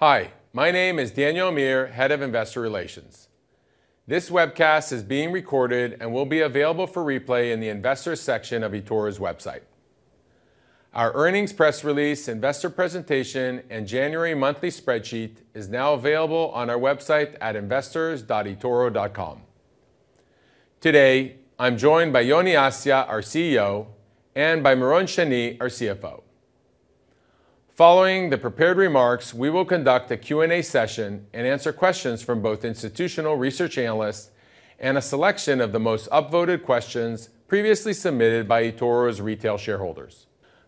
Hi, my name is Daniel Amir, Head of Investor Relations. This webcast is being recorded and will be available for replay in the investor section of eToro's website. Our earnings press release, investor presentation, and January monthly spreadsheet is now available on our website at investors.etoro.com. Today, I'm joined by Yoni Assia, our CEO, and by Meron Shani, our CFO. Following the prepared remarks, we will conduct a Q&A session and answer questions from both institutional research analysts and a selection of the most upvoted questions previously submitted by eToro's retail shareholders.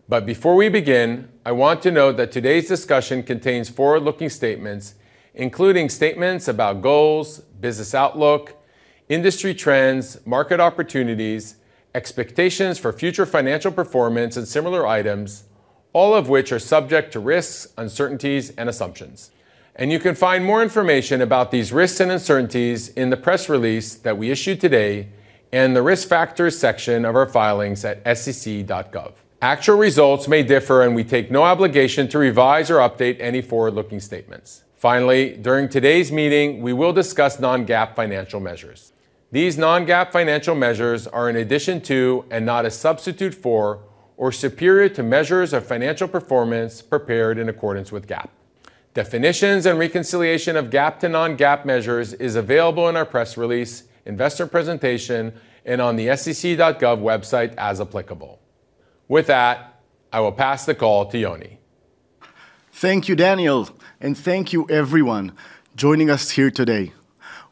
But before we begin, I want to note that today's discussion contains forward-looking statements, including statements about goals, business outlook, industry trends, market opportunities, expectations for future financial performance, and similar items, all of which are subject to risks, uncertainties, and assumptions. You can find more information about these risks and uncertainties in the press release that we issued today and the risk factors section of our filings at sec.gov. Actual results may differ, and we take no obligation to revise or update any forward-looking statements. Finally, during today's meeting, we will discuss non-GAAP financial measures. These non-GAAP financial measures are in addition to, and not a substitute for, or superior to measures of financial performance prepared in accordance with GAAP. Definitions and reconciliation of GAAP to non-GAAP measures is available in our press release, investor presentation, and on the sec.gov website, as applicable. With that, I will pass the call to Yoni. Thank you, Daniel, and thank you everyone joining us here today.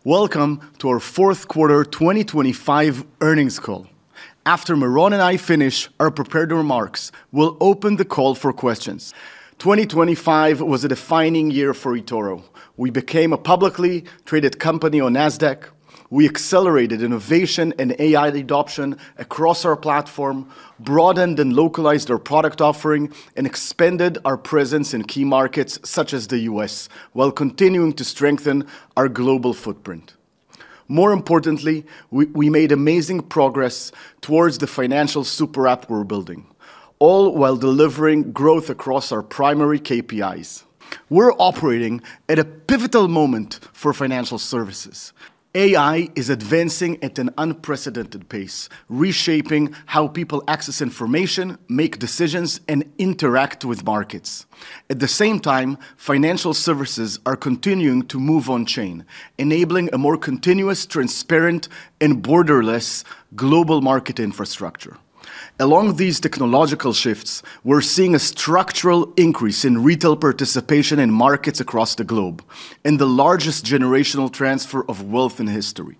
Welcome to our fourth quarter 2025 earnings call. After Meron and I finish our prepared remarks, we'll open the call for questions. 2025 was a defining year for eToro. We became a publicly traded company on NASDAQ. We accelerated innovation and AI adoption across our platform, broadened and localized our product offering, and expanded our presence in key markets such as the U.S., while continuing to strengthen our global footprint. More importantly, we made amazing progress towards the financial super app we're building, all while delivering growth across our primary KPIs. We're operating at a pivotal moment for financial services. AI is advancing at an unprecedented pace, reshaping how people access information, make decisions, and interact with markets. At the same time, financial services are continuing to move on chain, enabling a more continuous, transparent, and borderless global market infrastructure. Along these technological shifts, we're seeing a structural increase in retail participation in markets across the globe and the largest generational transfer of wealth in history.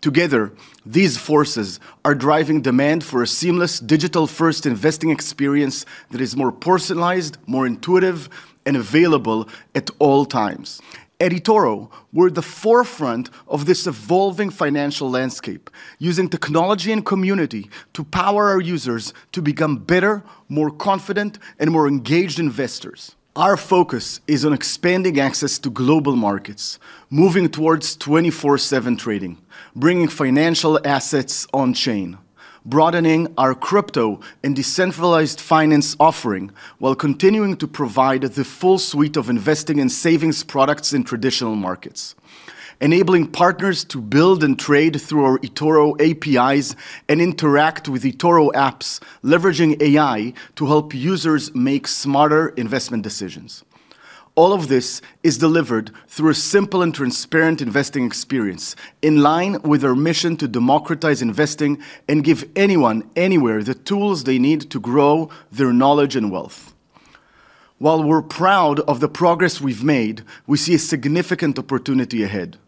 Together, these forces are driving demand for a seamless digital-first investing experience that is more personalized, more intuitive, and available at all times. At eToro, we're at the forefront of this evolving financial landscape, using technology and community to power our users to become better, more confident, and more engaged investors. Our focus is on expanding access to global markets, moving towards 24/7 trading, bringing financial assets on chain, broadening our crypto and decentralized finance offering, while continuing to provide the full suite of investing and savings products in traditional markets. Enabling partners to build and trade through our eToro APIs and interact with eToro apps, leveraging AI to help users make smarter investment decisions. All of this is delivered through a simple and transparent investing experience, in line with our mission to democratize investing and give anyone, anywhere, the tools they need to grow their knowledge and wealth. While we're proud of the progress we've made, we see a significant opportunity ahead.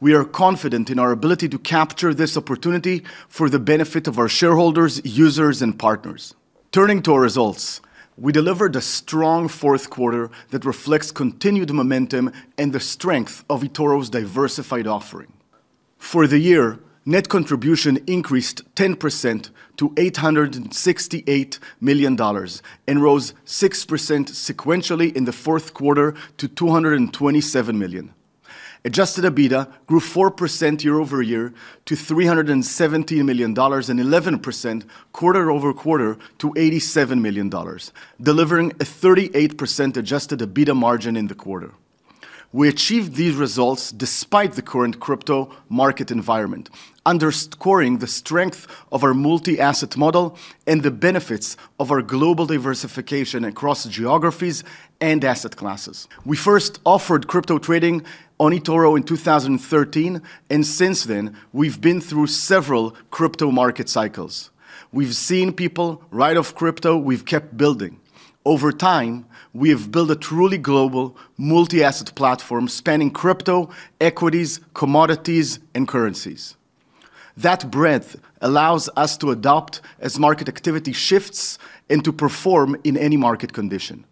We are confident in our ability to capture this opportunity for the benefit of our shareholders, users, and partners. Turning to our results, we delivered a strong fourth quarter that reflects continued momentum and the strength of eToro's diversified offering. For the year, net contribution increased 10% to $868 million and rose 6% sequentially in the fourth quarter to $227 million. Adjusted EBITDA grew 4% year-over-year to $317 million, and 11% quarter-over-quarter to $87 million, delivering a 38% adjusted EBITDA margin in the quarter. We achieved these results despite the current crypto market environment, underscoring the strength of our multi-asset model and the benefits of our global diversification across geographies and asset classes. We first offered crypto trading on eToro in 2013, and since then, we've been through several crypto market cycles. We've seen people write off crypto, we've kept building. Over time, we have built a truly global multi-asset platform spanning crypto, equities, commodities, and currencies. That breadth allows us to adapt as market activity shifts and to perform in any market condition.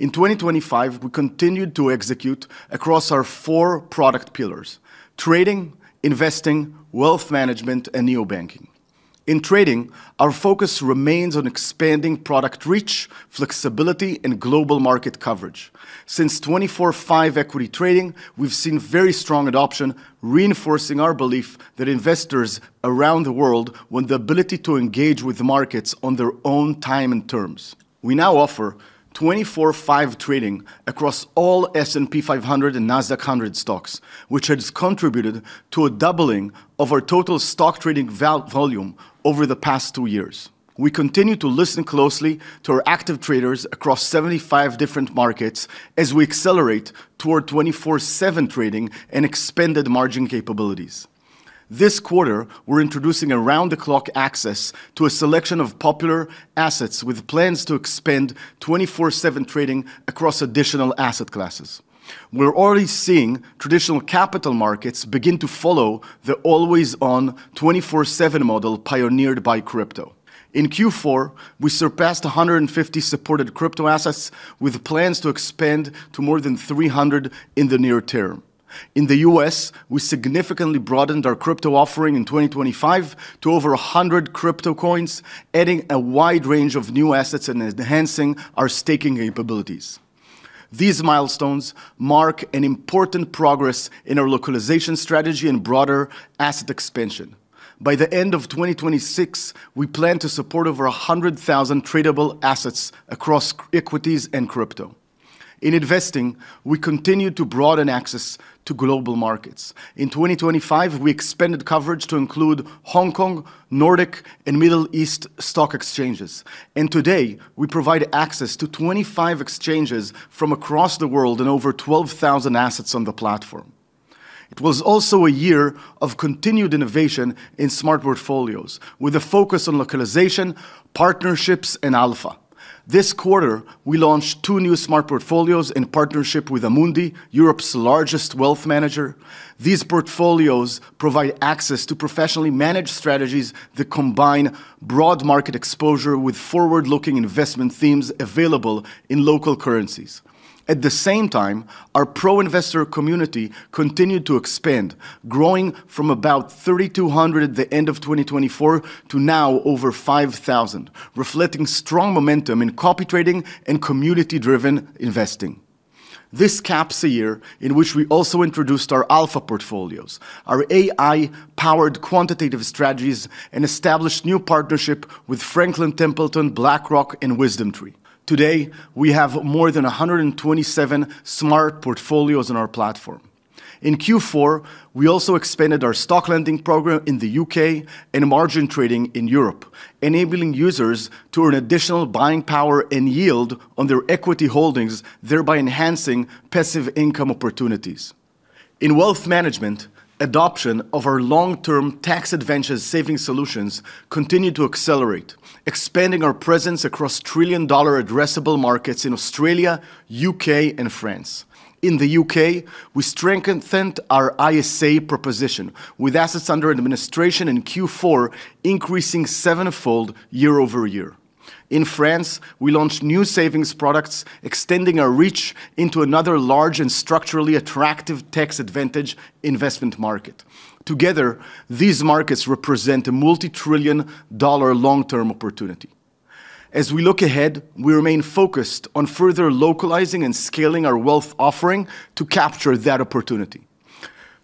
In 2025, we continued to execute across our four product pillars: trading, investing, wealth management, and neobanking. In trading, our focus remains on expanding product reach, flexibility, and global market coverage. Since 24/5 equity trading, we've seen very strong adoption, reinforcing our belief that investors around the world want the ability to engage with the markets on their own time and terms. We now offer 24/5 trading across all S&P 500 and NASDAQ 100 stocks, which has contributed to a doubling of our total stock trading volume over the past two years. We continue to listen closely to our active traders across 75 different markets as we accelerate toward 24/7 trading and expanded margin capabilities. This quarter, we're introducing around-the-clock access to a selection of popular assets, with plans to expand 24/7 trading across additional asset classes. We're already seeing traditional capital markets begin to follow the always-on 24/7 model pioneered by crypto. In Q4, we surpassed 150 supported crypto assets, with plans to expand to more than 300 in the near term. In the U.S., we significantly broadened our crypto offering in 2025 to over 100 crypto coins, adding a wide range of new assets and enhancing our staking capabilities. These milestones mark an important progress in our localization strategy and broader asset expansion. By the end of 2026, we plan to support over 100,000 tradable assets across equities and crypto. In investing, we continue to broaden access to global markets. In 2025, we expanded coverage to include Hong Kong, Nordic, and Middle East stock exchanges, and today, we provide access to 25 exchanges from across the world and over 12,000 assets on the platform. It was also a year of continued innovation in Smart Portfolios, with a focus on localization, partnerships, and alpha. This quarter, we launched two new Smart Portfolios in partnership with Amundi, Europe's largest wealth manager. These portfolios provide access to professionally managed strategies that combine broad market exposure with forward-looking investment themes available in local currencies. At the same time, our Pro Investor community continued to expand, growing from about 3,200 at the end of 2024 to now over 5,000, reflecting strong momentum in copy trading and community-driven investing. This caps a year in which we also introduced our Alpha Portfolios, our AI-powered quantitative strategies, and established new partnership with Franklin Templeton, BlackRock, and WisdomTree. Today, we have more than 127 Smart Portfolios on our platform. In Q4, we also expanded our stock lending program in the U.K. and margin trading in Europe, enabling users to earn additional buying power and yield on their equity holdings, thereby enhancing passive income opportunities. In wealth management, adoption of our long-term tax advantage savings solutions continued to accelerate, expanding our presence across trillion-dollar addressable markets in Australia, U.K., and France. In the U.K., we strengthened our ISA proposition, with assets under administration in Q4 increasing sevenfold year-over-year. In France, we launched new savings products, extending our reach into another large and structurally attractive tax advantage investment market. Together, these markets represent a multi-trillion-dollar long-term opportunity. As we look ahead, we remain focused on further localizing and scaling our wealth offering to capture that opportunity.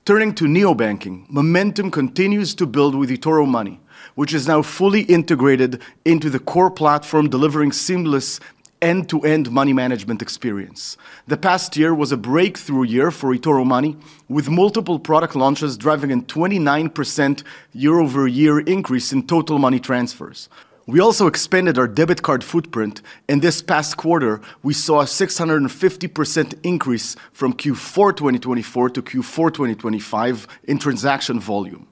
Turning to neobanking, momentum continues to build with eToro Money, which is now fully integrated into the core platform, delivering seamless end-to-end money management experience. The past year was a breakthrough year for eToro Money, with multiple product launches driving a 29% year-over-year increase in total money transfers. We also expanded our debit card footprint, and this past quarter, we saw a 650% increase from Q4 2024 to Q4 2025 in transaction volume.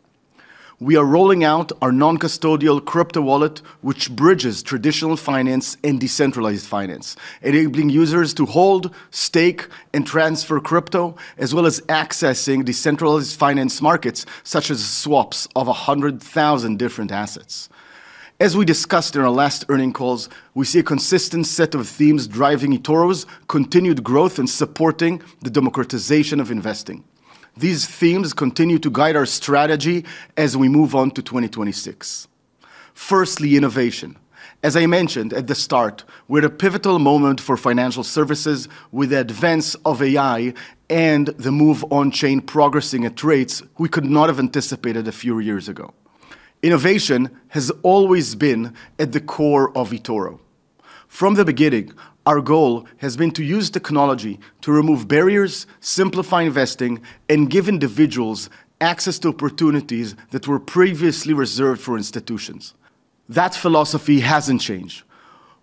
We are rolling out our non-custodial crypto wallet, which bridges traditional finance and decentralized finance, enabling users to hold, stake, and transfer crypto, as well as accessing decentralized finance markets, such as swaps of 100,000 different assets. As we discussed in our last earnings calls, we see a consistent set of themes driving eToro's continued growth and supporting the democratization of investing. These themes continue to guide our strategy as we move on to 2026. Firstly, innovation. As I mentioned at the start, we're at a pivotal moment for financial services with the advance of AI and the move on chain progressing at rates we could not have anticipated a few years ago. Innovation has always been at the core of eToro. From the beginning, our goal has been to use technology to remove barriers, simplify investing, and give individuals access to opportunities that were previously reserved for institutions. That philosophy hasn't changed.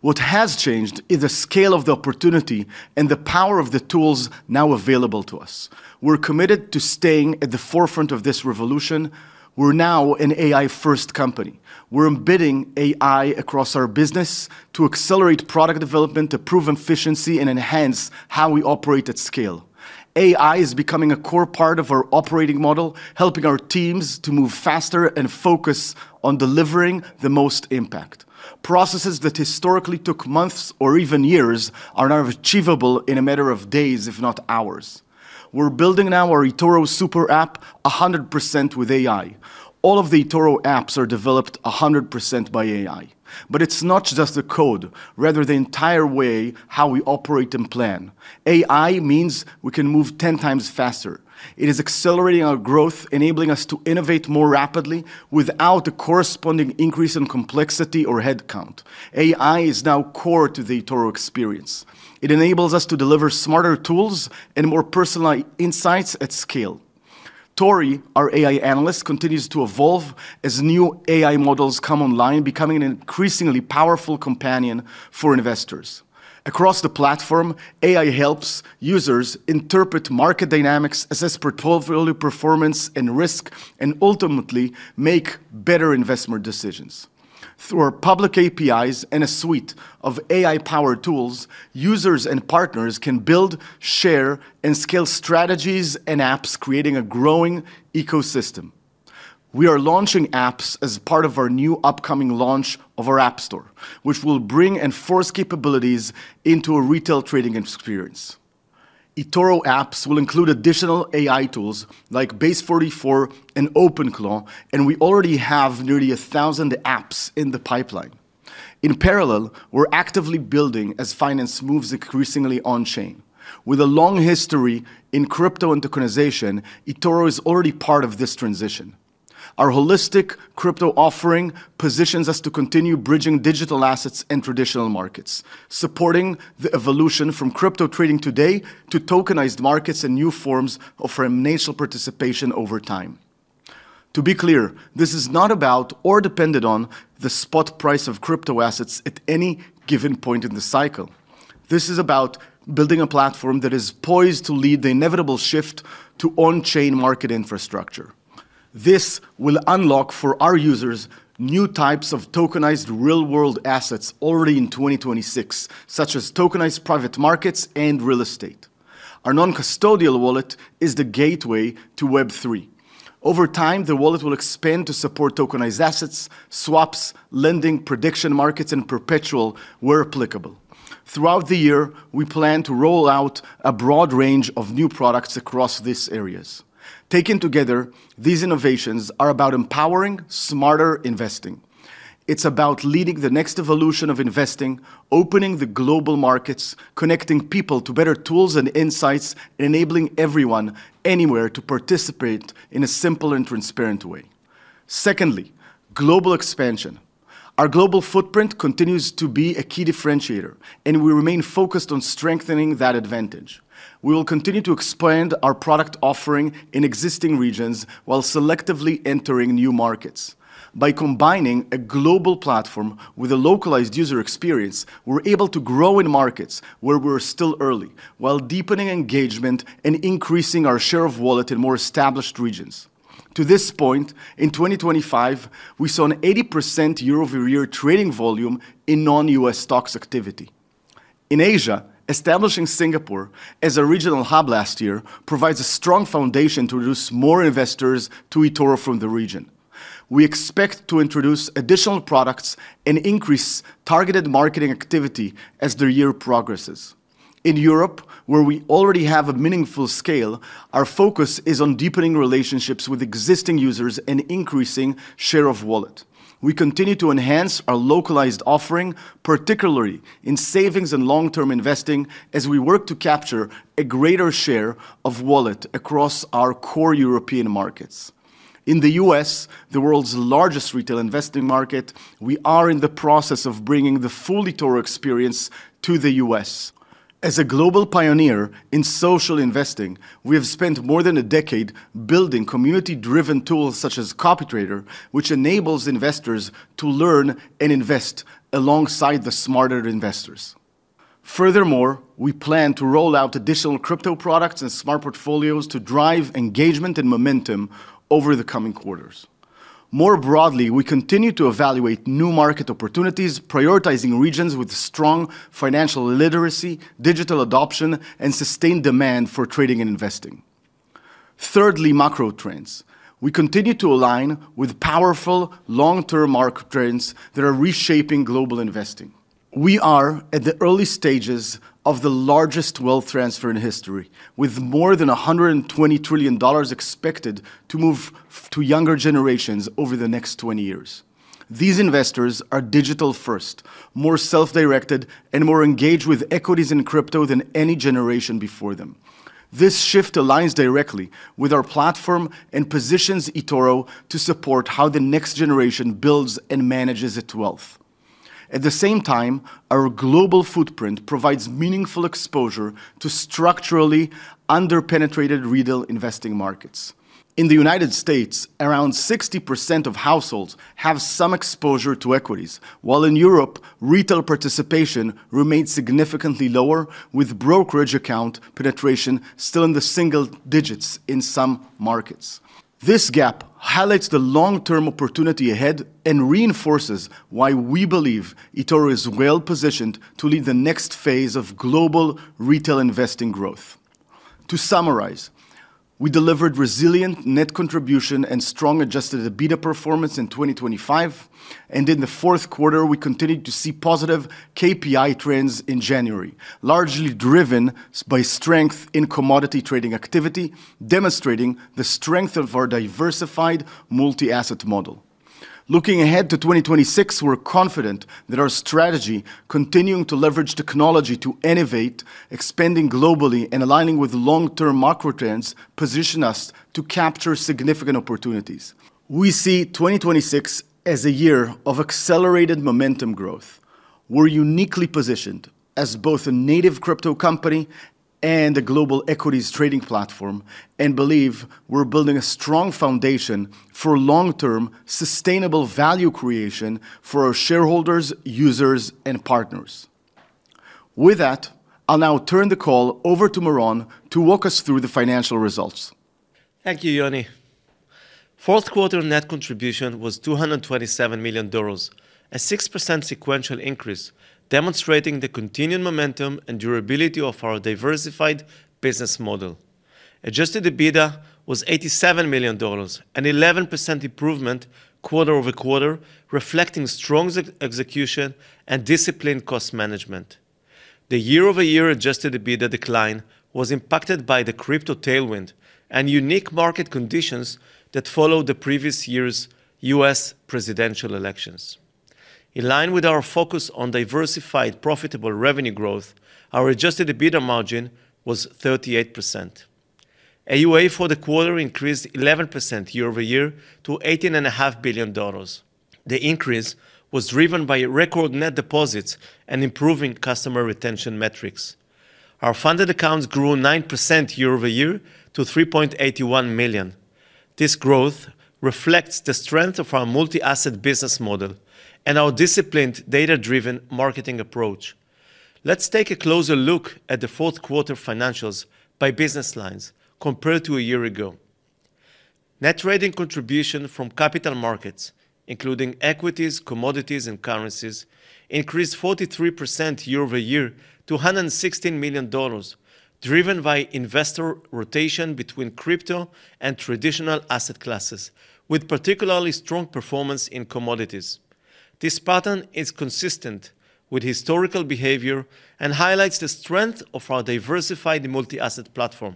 What has changed is the scale of the opportunity and the power of the tools now available to us. We're committed to staying at the forefront of this revolution. We're now an AI-first company. We're embedding AI across our business to accelerate product development, improve efficiency, and enhance how we operate at scale. AI is becoming a core part of our operating model, helping our teams to move faster and focus on delivering the most impact. Processes that historically took months or even years are now achievable in a matter of days, if not hours. We're building now our eToro super app 100% with AI. All of the eToro apps are developed 100% by AI, but it's not just the code, rather the entire way how we operate and plan. AI means we can move 10 times faster. It is accelerating our growth, enabling us to innovate more rapidly without a corresponding increase in complexity or headcount. AI is now core to the eToro experience. It enables us to deliver smarter tools and more personalized insights at scale... Tori, our AI analyst, continues to evolve as new AI models come online, becoming an increasingly powerful companion for investors. Across the platform, AI helps users interpret market dynamics, assess portfolio performance and risk, and ultimately make better investment decisions. Through our public APIs and a suite of AI-powered tools, users and partners can build, share, and scale strategies and apps, creating a growing ecosystem. We are launching apps as part of our new upcoming launch of our app store, which will bring and force capabilities into a retail trading experience. eToro apps will include additional AI tools like Base44 and OpenClaw, and we already have nearly 1,000 apps in the pipeline. In parallel, we're actively building as finance moves increasingly on-chain. With a long history in crypto and tokenization, eToro is already part of this transition. Our holistic crypto offering positions us to continue bridging digital assets and traditional markets, supporting the evolution from crypto trading today to tokenized markets and new forms of financial participation over time. To be clear, this is not about or dependent on the spot price of crypto assets at any given point in the cycle. This is about building a platform that is poised to lead the inevitable shift to on-chain market infrastructure. This will unlock for our users new types of tokenized real-world assets already in 2026, such as tokenized private markets and real estate. Our non-custodial wallet is the gateway to Web3. Over time, the wallet will expand to support tokenized assets, swaps, lending, prediction markets, and perpetual, where applicable. Throughout the year, we plan to roll out a broad range of new products across these areas. Taken together, these innovations are about empowering smarter investing. It's about leading the next evolution of investing, opening the global markets, connecting people to better tools and insights, and enabling everyone, anywhere, to participate in a simple and transparent way. Secondly, global expansion. Our global footprint continues to be a key differentiator, and we remain focused on strengthening that advantage. We will continue to expand our product offering in existing regions while selectively entering new markets. By combining a global platform with a localized user experience, we're able to grow in markets where we're still early, while deepening engagement and increasing our share of wallet in more established regions. To this point, in 2025, we saw an 80% year-over-year trading volume in non-U.S. stocks activity. In Asia, establishing Singapore as a regional hub last year provides a strong foundation to reduce more investors to eToro from the region. We expect to introduce additional products and increase targeted marketing activity as the year progresses. In Europe, where we already have a meaningful scale, our focus is on deepening relationships with existing users and increasing share of wallet. We continue to enhance our localized offering, particularly in savings and long-term investing, as we work to capture a greater share of wallet across our core European markets. In the U.S., the world's largest retail investing market, we are in the process of bringing the full eToro experience to the U.S. As a global pioneer in social investing, we have spent more than a decade building community-driven tools such as CopyTrader, which enables investors to learn and invest alongside the smarter investors. Furthermore, we plan to roll out additional crypto products and Smart Portfolios to drive engagement and momentum over the coming quarters. More broadly, we continue to evaluate new market opportunities, prioritizing regions with strong financial literacy, digital adoption, and sustained demand for trading and investing. Thirdly, macro trends. We continue to align with powerful long-term market trends that are reshaping global investing. We are at the early stages of the largest wealth transfer in history, with more than $120 trillion expected to move to younger generations over the next 20 years. These investors are digital-first, more self-directed, and more engaged with equities and crypto than any generation before them. This shift aligns directly with our platform and positions eToro to support how the next generation builds and manages its wealth. At the same time, our global footprint provides meaningful exposure to structurally under-penetrated retail investing markets. In the United States, around 60% of households have some exposure to equities, while in Europe, retail participation remains significantly lower, with brokerage account penetration still in the single digits in some markets. This gap highlights the long-term opportunity ahead and reinforces why we believe eToro is well positioned to lead the next phase of global retail investing growth. To summarize, we delivered resilient net contribution and strong Adjusted EBITDA performance in 2025, and in the fourth quarter, we continued to see positive KPI trends in January, largely driven by strength in commodity trading activity, demonstrating the strength of our diversified multi-asset model. Looking ahead to 2026, we're confident that our strategy, continuing to leverage technology to innovate, expanding globally, and aligning with long-term macro trends, position us to capture significant opportunities. We see 2026 as a year of accelerated momentum growth.... We're uniquely positioned as both a native crypto company and a global equities trading platform, and believe we're building a strong foundation for long-term, sustainable value creation for our shareholders, users, and partners. With that, I'll now turn the call over to Meron to walk us through the financial results. Thank you, Yoni. Fourth quarter net contribution was $227 million, a 6% sequential increase, demonstrating the continued momentum and durability of our diversified business model. Adjusted EBITDA was $87 million, an 11% improvement quarter-over-quarter, reflecting strong execution and disciplined cost management. The year-over-year adjusted EBITDA decline was impacted by the crypto tailwind and unique market conditions that followed the previous year's U.S. presidential elections. In line with our focus on diversified, profitable revenue growth, our adjusted EBITDA margin was 38%. AUA for the quarter increased 11% year-over-year to $18.5 billion. The increase was driven by record net deposits and improving customer retention metrics. Our funded accounts grew 9% year-over-year to $3.81 million. This growth reflects the strength of our multi-asset business model and our disciplined, data-driven marketing approach. Let's take a closer look at the fourth quarter financials by business lines compared to a year ago. Net trading contribution from capital markets, including equities, commodities, and currencies, increased 43% year over year to $116 million, driven by investor rotation between crypto and traditional asset classes, with particularly strong performance in commodities. This pattern is consistent with historical behavior and highlights the strength of our diversified multi-asset platform.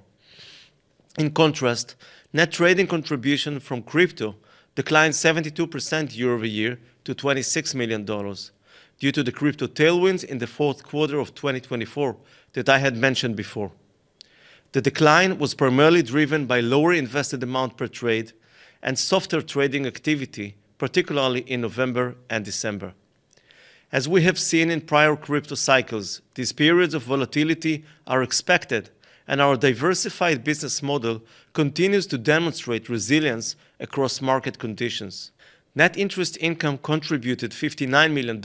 In contrast, net trading contribution from crypto declined 72% year over year to $26 million due to the crypto tailwinds in the fourth quarter of 2024 that I had mentioned before. The decline was primarily driven by lower invested amount per trade and softer trading activity, particularly in November and December. As we have seen in prior crypto cycles, these periods of volatility are expected, and our diversified business model continues to demonstrate resilience across market conditions. Net interest income contributed $59 million,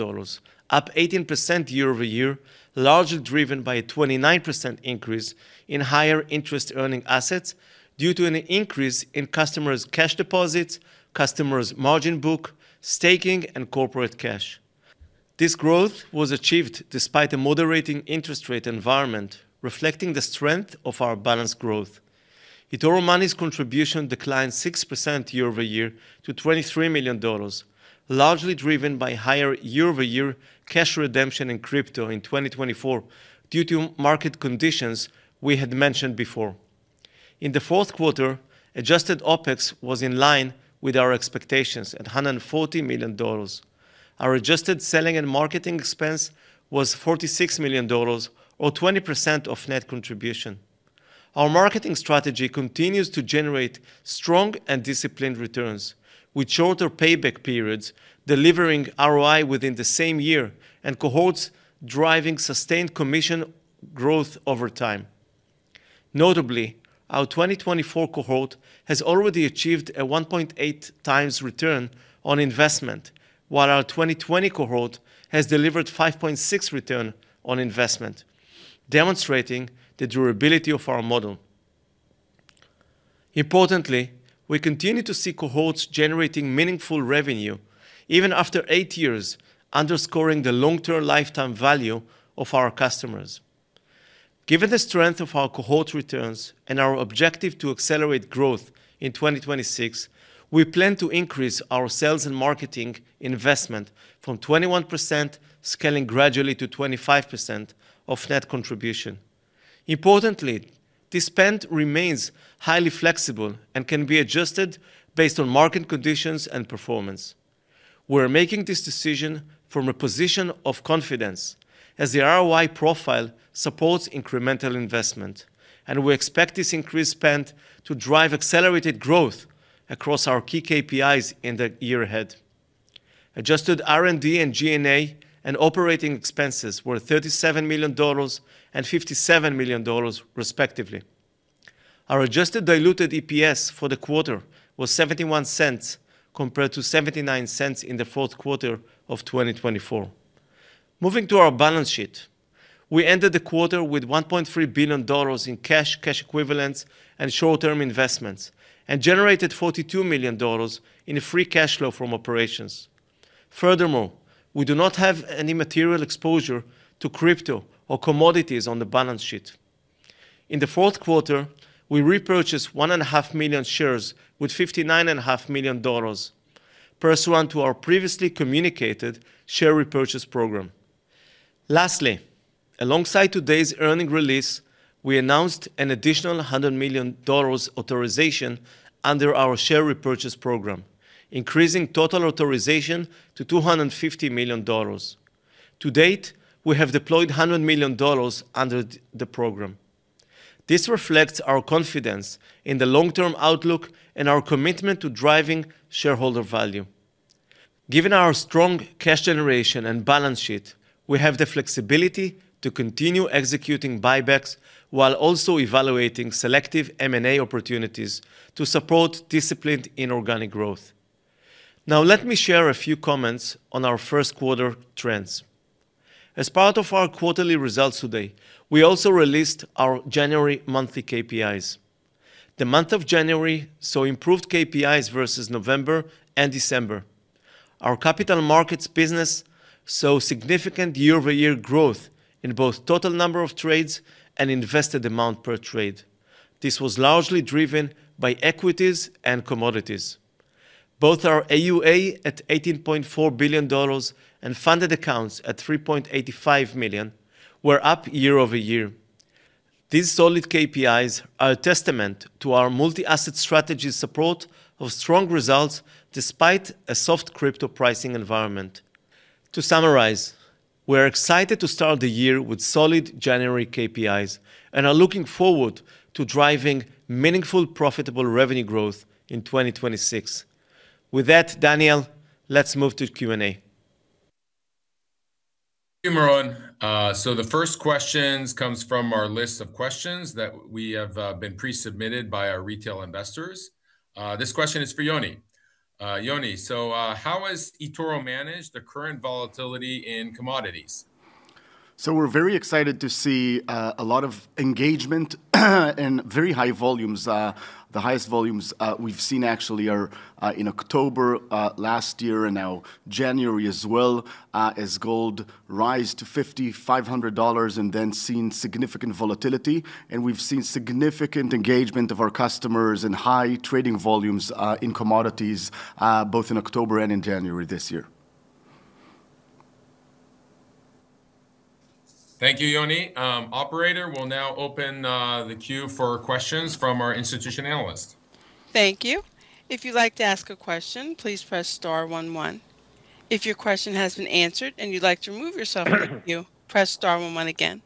up 18% year-over-year, largely driven by a 29% increase in higher interest earning assets due to an increase in customers' cash deposits, customers' margin book, staking, and corporate cash. This growth was achieved despite a moderating interest rate environment, reflecting the strength of our balanced growth. eToro Money's contribution declined 6% year-over-year to $23 million, largely driven by higher year-over-year cash redemption in crypto in 2024 due to market conditions we had mentioned before. In the fourth quarter, adjusted OpEx was in line with our expectations at $140 million. Our adjusted selling and marketing expense was $46 million, or 20% of net contribution. Our marketing strategy continues to generate strong and disciplined returns, with shorter payback periods, delivering ROI within the same year, and cohorts driving sustained commission growth over time. Notably, our 2024 cohort has already achieved a 1.8 times return on investment, while our 2020 cohort has delivered 5.6 return on investment, demonstrating the durability of our model. Importantly, we continue to see cohorts generating meaningful revenue even after eight years, underscoring the long-term lifetime value of our customers. Given the strength of our cohort returns and our objective to accelerate growth in 2026, we plan to increase our sales and marketing investment from 21%, scaling gradually to 25% of Net Contribution. Importantly, this spend remains highly flexible and can be adjusted based on market conditions and performance. We're making this decision from a position of confidence, as the ROI profile supports incremental investment, and we expect this increased spend to drive accelerated growth across our key KPIs in the year ahead. Adjusted R&D and G&A and operating expenses were $37 million and $57 million, respectively. Our adjusted diluted EPS for the quarter was $0.71, compared to $0.79 in the fourth quarter of 2024. Moving to our balance sheet, we ended the quarter with $1.3 billion in cash, cash equivalents, and short-term investments, and generated $42 million in free cash flow from operations. Furthermore, we do not have any material exposure to crypto or commodities on the balance sheet. In the fourth quarter, we repurchased 1.5 million shares with $59.5 million pursuant to our previously communicated share repurchase program. Lastly, alongside today's earnings release, we announced an additional $100 million authorization under our share repurchase program, increasing total authorization to $250 million. To date, we have deployed $100 million under the program. This reflects our confidence in the long-term outlook and our commitment to driving shareholder value. Given our strong cash generation and balance sheet, we have the flexibility to continue executing buybacks while also evaluating selective M&A opportunities to support disciplined inorganic growth. Now, let me share a few comments on our first quarter trends. As part of our quarterly results today, we also released our January monthly KPIs. The month of January saw improved KPIs versus November and December. Our capital markets business saw significant year-over-year growth in both total number of trades and invested amount per trade. This was largely driven by equities and commodities. Both our AUA at $18.4 billion, and funded accounts at 3.85 million, were up year-over-year. These solid KPIs are a testament to our multi-asset strategy support of strong results despite a soft crypto pricing environment. To summarize, we're excited to start the year with solid January KPIs, and are looking forward to driving meaningful, profitable revenue growth in 2026. With that, Daniel, let's move to Q&A. Thank you, Meron. So the first questions comes from our list of questions that we have been pre-submitted by our retail investors. This question is for Yoni. Yoni, how has eToro managed the current volatility in commodities? So we're very excited to see a lot of engagement, and very high volumes. The highest volumes we've seen actually are in October last year, and now January as well, as gold rise to $5500, and then seen significant volatility. And we've seen significant engagement of our customers and high trading volumes in commodities both in October and in January this year. Thank you, Yoni. Operator, we'll now open the queue for questions from our institutional analysts. Thank you. If you'd like to ask a question, please press star one one. If your question has been answered and you'd like to remove yourself from the queue, press star one one again.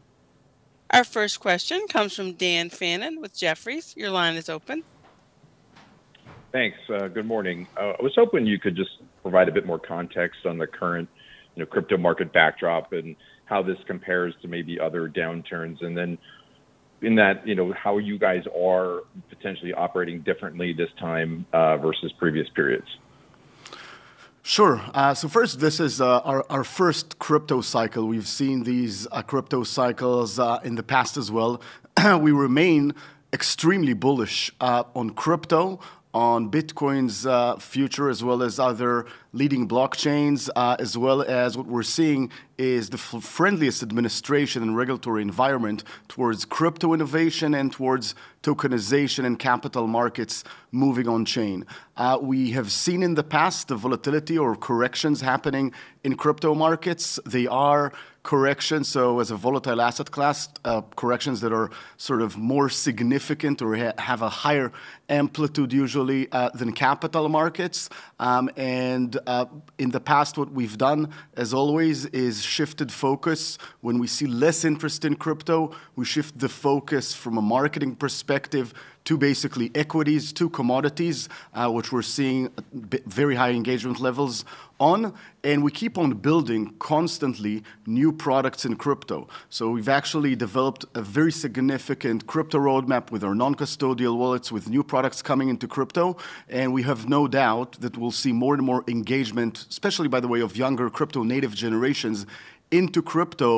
Our first question comes from Dan Fannon with Jefferies. Your line is open. Thanks, good morning. I was hoping you could just provide a bit more context on the current, you know, crypto market backdrop, and how this compares to maybe other downturns. And then in that, you know, how you guys are potentially operating differently this time, versus previous periods? Sure. So first, this is our first crypto cycle. We've seen these crypto cycles in the past as well. We remain extremely bullish on crypto, on Bitcoin's future, as well as other leading blockchains. As well as what we're seeing is the friendliest administration and regulatory environment towards crypto innovation and towards tokenization and capital markets moving on chain. We have seen in the past the volatility or corrections happening in crypto markets. They are corrections, so as a volatile asset class, corrections that are sort of more significant or have a higher amplitude usually than capital markets. And in the past, what we've done, as always, is shifted focus. When we see less interest in crypto, we shift the focus from a marketing perspective to basically equities to commodities, which we're seeing very high engagement levels on. And we keep on building constantly new products in crypto. So we've actually developed a very significant crypto roadmap with our non-custodial wallets, with new products coming into crypto. And we have no doubt that we'll see more and more engagement, especially by the way, of younger crypto-native generations into crypto,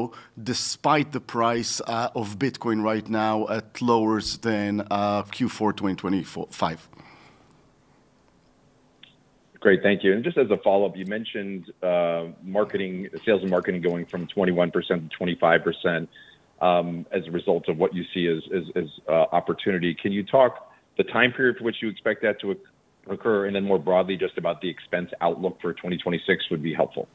despite the price of Bitcoin right now at lower than Q4 2025. Great, thank you. And just as a follow-up, you mentioned marketing, sales and marketing going from 21% to 25%, as a result of what you see as opportunity. Can you talk the time period for which you expect that to occur, and then more broadly, just about the expense outlook for 2026 would be helpful.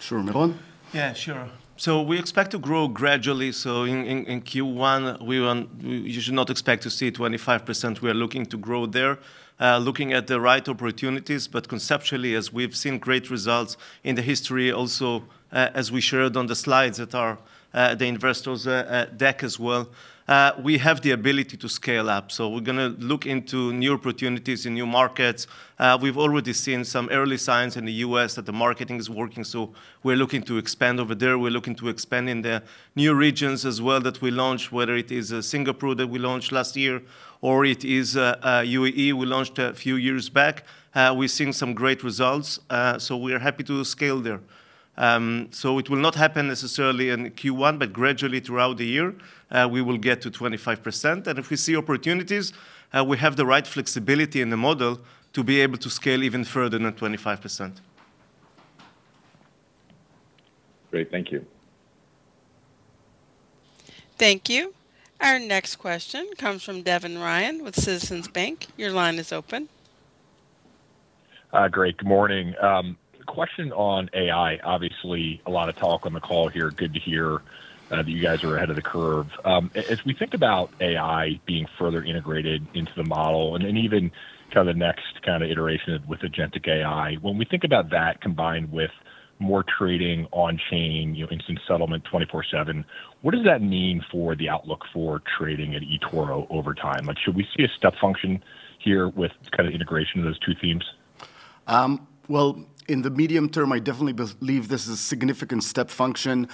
Sure. Meron? Yeah, sure. So we expect to grow gradually. So in Q1, we want, you should not expect to see 25%. We are looking to grow there, looking at the right opportunities, but conceptually, as we've seen great results in the history, also, as we shared on the slides at our, the investors deck as well, we have the ability to scale up. So we're gonna look into new opportunities in new markets. We've already seen some early signs in the U.S. that the marketing is working, so we're looking to expand over there. We're looking to expand in the new regions as well that we launched, whether it is, Singapore that we launched last year, or it is, UAE we launched a few years back. We've seen some great results, so we are happy to scale there. It will not happen necessarily in Q1, but gradually throughout the year, we will get to 25%. If we see opportunities, we have the right flexibility in the model to be able to scale even further than 25%. Great, thank you. Thank you. Our next question comes from Devin Ryan with Citizens Bank. Your line is open.... Great. Good morning. Question on AI. Obviously, a lot of talk on the call here. Good to hear that you guys are ahead of the curve. As we think about AI being further integrated into the model, and even kind of the next kind of iteration with agentic AI, when we think about that combined with more trading on chain, you know, instant settlement 24/7, what does that mean for the outlook for trading at eToro over time? Like, should we see a step function here with kind of integration of those two themes? Well, in the medium term, I definitely believe this is a significant step function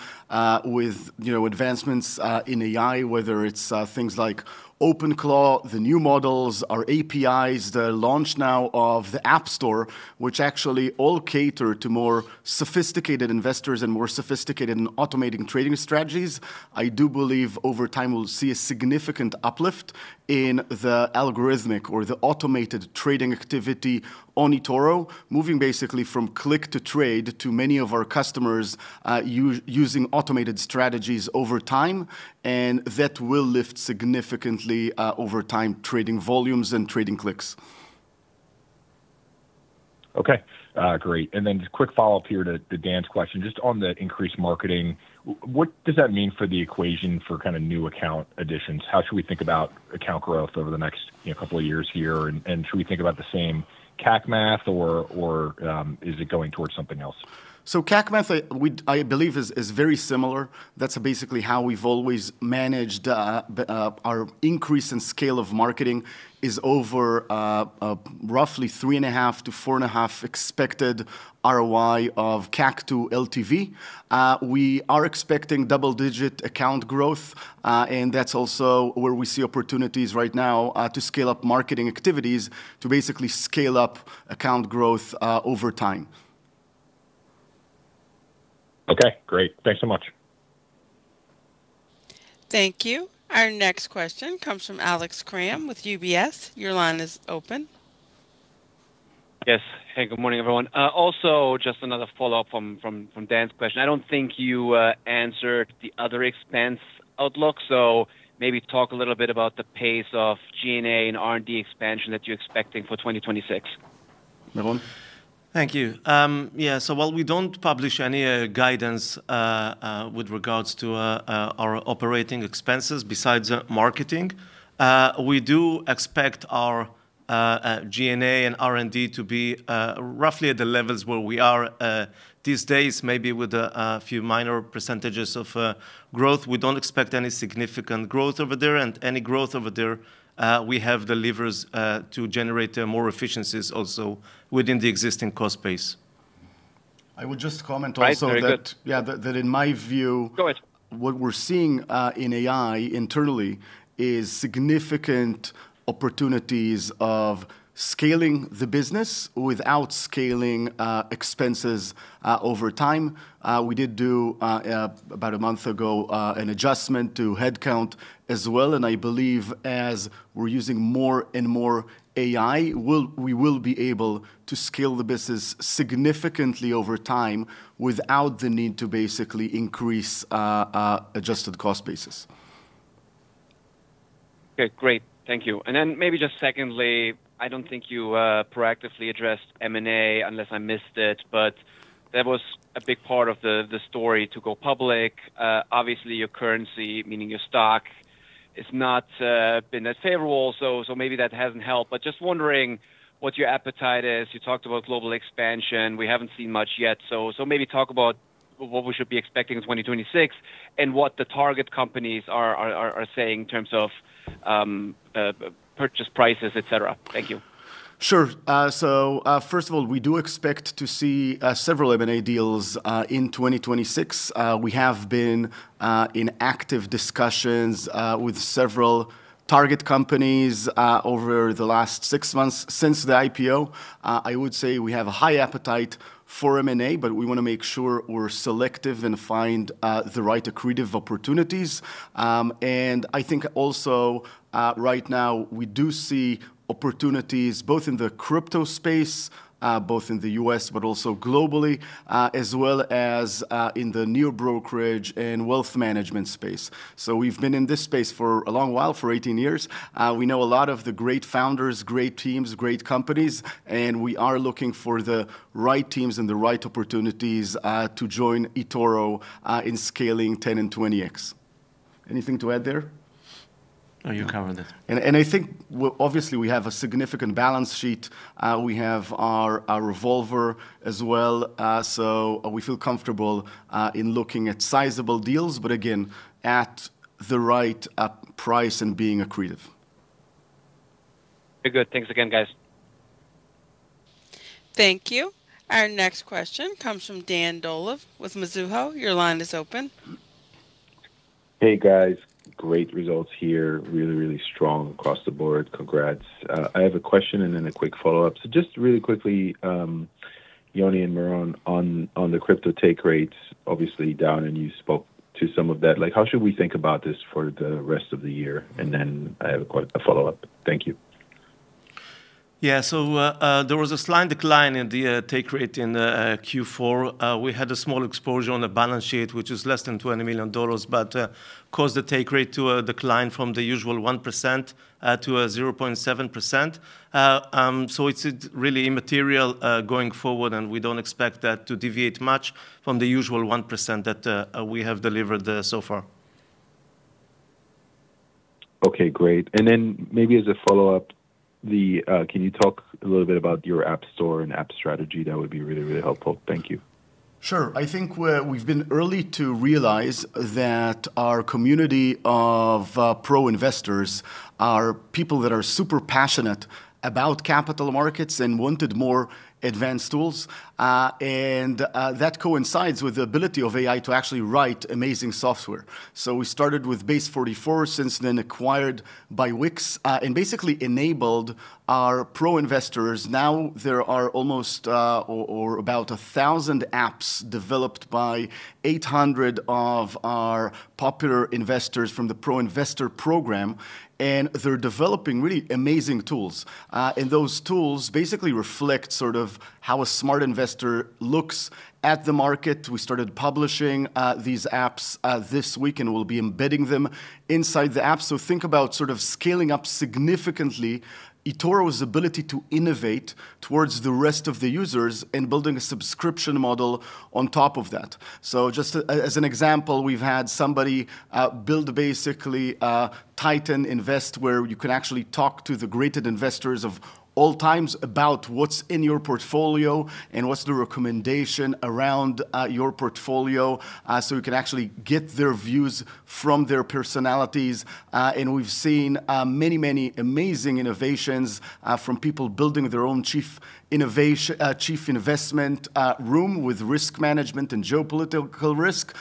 with, you know, advancements in AI, whether it's things like OpenClaw, the new models, our APIs, the launch now of the App Store, which actually all cater to more sophisticated investors and more sophisticated in automating trading strategies. I do believe over time we'll see a significant uplift in the algorithmic or the automated trading activity on eToro, moving basically from click to trade to many of our customers us using automated strategies over time, and that will lift significantly over time, trading volumes and trading clicks. Okay. Great. And then just quick follow-up here to Dan's question, just on the increased marketing, what does that mean for the equation for kinda new account additions? How should we think about account growth over the next, you know, couple of years here? And should we think about the same CAC math, or is it going towards something else? So CAC math, I believe, is very similar. That's basically how we've always managed. Our increase in scale of marketing is over roughly 3.5-4.5 expected ROI of CAC to LTV. We are expecting double-digit account growth, and that's also where we see opportunities right now, to scale up marketing activities, to basically scale up account growth, over time. Okay, great. Thanks so much. Thank you. Our next question comes from Alex Kramm with UBS. Your line is open. Yes. Hey, good morning, everyone. Also, just another follow-up from Dan's question. I don't think you answered the other expense outlook, so maybe talk a little bit about the pace of G&A and R&D expansion that you're expecting for 2026. Meron? Thank you. Yeah, so while we don't publish any guidance with regards to our operating expenses, besides marketing, we do expect our G&A and R&D to be roughly at the levels where we are these days, maybe with a few minor percentages of growth. We don't expect any significant growth over there, and any growth over there, we have the levers to generate more efficiencies also within the existing cost base. I would just comment also that- Right. Very good. Yeah, that in my view- Go ahead... what we're seeing in AI internally is significant opportunities of scaling the business without scaling expenses over time. We did do, about a month ago, an adjustment to headcount as well, and I believe as we're using more and more AI, we'll—we will be able to scale the business significantly over time without the need to basically increase adjusted cost basis. Okay, great. Thank you. And then maybe just secondly, I don't think you proactively addressed M&A, unless I missed it, but that was a big part of the story to go public. Obviously, your currency, meaning your stock, has not been as favorable, so maybe that hasn't helped. But just wondering what your appetite is. You talked about global expansion. We haven't seen much yet, so maybe talk about what we should be expecting in 2026, and what the target companies are saying in terms of purchase prices, et cetera. Thank you. Sure. So, first of all, we do expect to see several M&A deals in 2026. We have been in active discussions with several target companies over the last six months since the IPO. I would say we have a high appetite for M&A, but we wanna make sure we're selective and find the right accretive opportunities. And I think also, right now, we do see opportunities both in the crypto space, both in the US, but also globally, as well as in the new brokerage and wealth management space. So we've been in this space for a long while, for 18 years. We know a lot of the great founders, great teams, great companies, and we are looking for the right teams and the right opportunities to join eToro in scaling 10x and 20x. Anything to add there? No, you covered it. I think, well, obviously, we have a significant balance sheet. We have our revolver as well, so we feel comfortable in looking at sizable deals, but again, at the right price and being accretive. Very good. Thanks again, guys. Thank you. Our next question comes from Dan Dolev with Mizuho. Your line is open. Hey, guys. Great results here. Really, really strong across the board. Congrats. I have a question and then a quick follow-up. So just really quickly, Yoni and Meron, on the crypto take rates, obviously down, and you spoke to some of that, like, how should we think about this for the rest of the year? And then I have a quick follow-up. Thank you. ... Yeah, so, there was a slight decline in the take rate in the Q4. We had a small exposure on the balance sheet, which is less than $20 million, but caused the take rate to decline from the usual 1% to 0.7%. So it's really immaterial going forward, and we don't expect that to deviate much from the usual 1% that we have delivered so far. Okay, great. And then maybe as a follow-up, can you talk a little bit about your app store and app strategy? That would be really, really helpful. Thank you. Sure. I think we've been early to realize that our community of pro investors are people that are super passionate about capital markets and wanted more advanced tools. And that coincides with the ability of AI to actually write amazing software. So we started with Base44, since then acquired by Wix, and basically enabled our pro investors. Now there are almost or about 1,000 apps developed by 800 of our popular investors from the Pro Investor program, and they're developing really amazing tools. And those tools basically reflect sort of how a smart investor looks at the market. We started publishing these apps this week, and we'll be embedding them inside the app. So think about sort of scaling up significantly eToro's ability to innovate towards the rest of the users and building a subscription model on top of that. So just as an example, we've had somebody build basically Titan Invest, where you can actually talk to the greatest investors of all times about what's in your portfolio and what's the recommendation around your portfolio. So you can actually get their views from their personalities. And we've seen many, many amazing innovations from people building their own chief investment room with risk management and geopolitical risk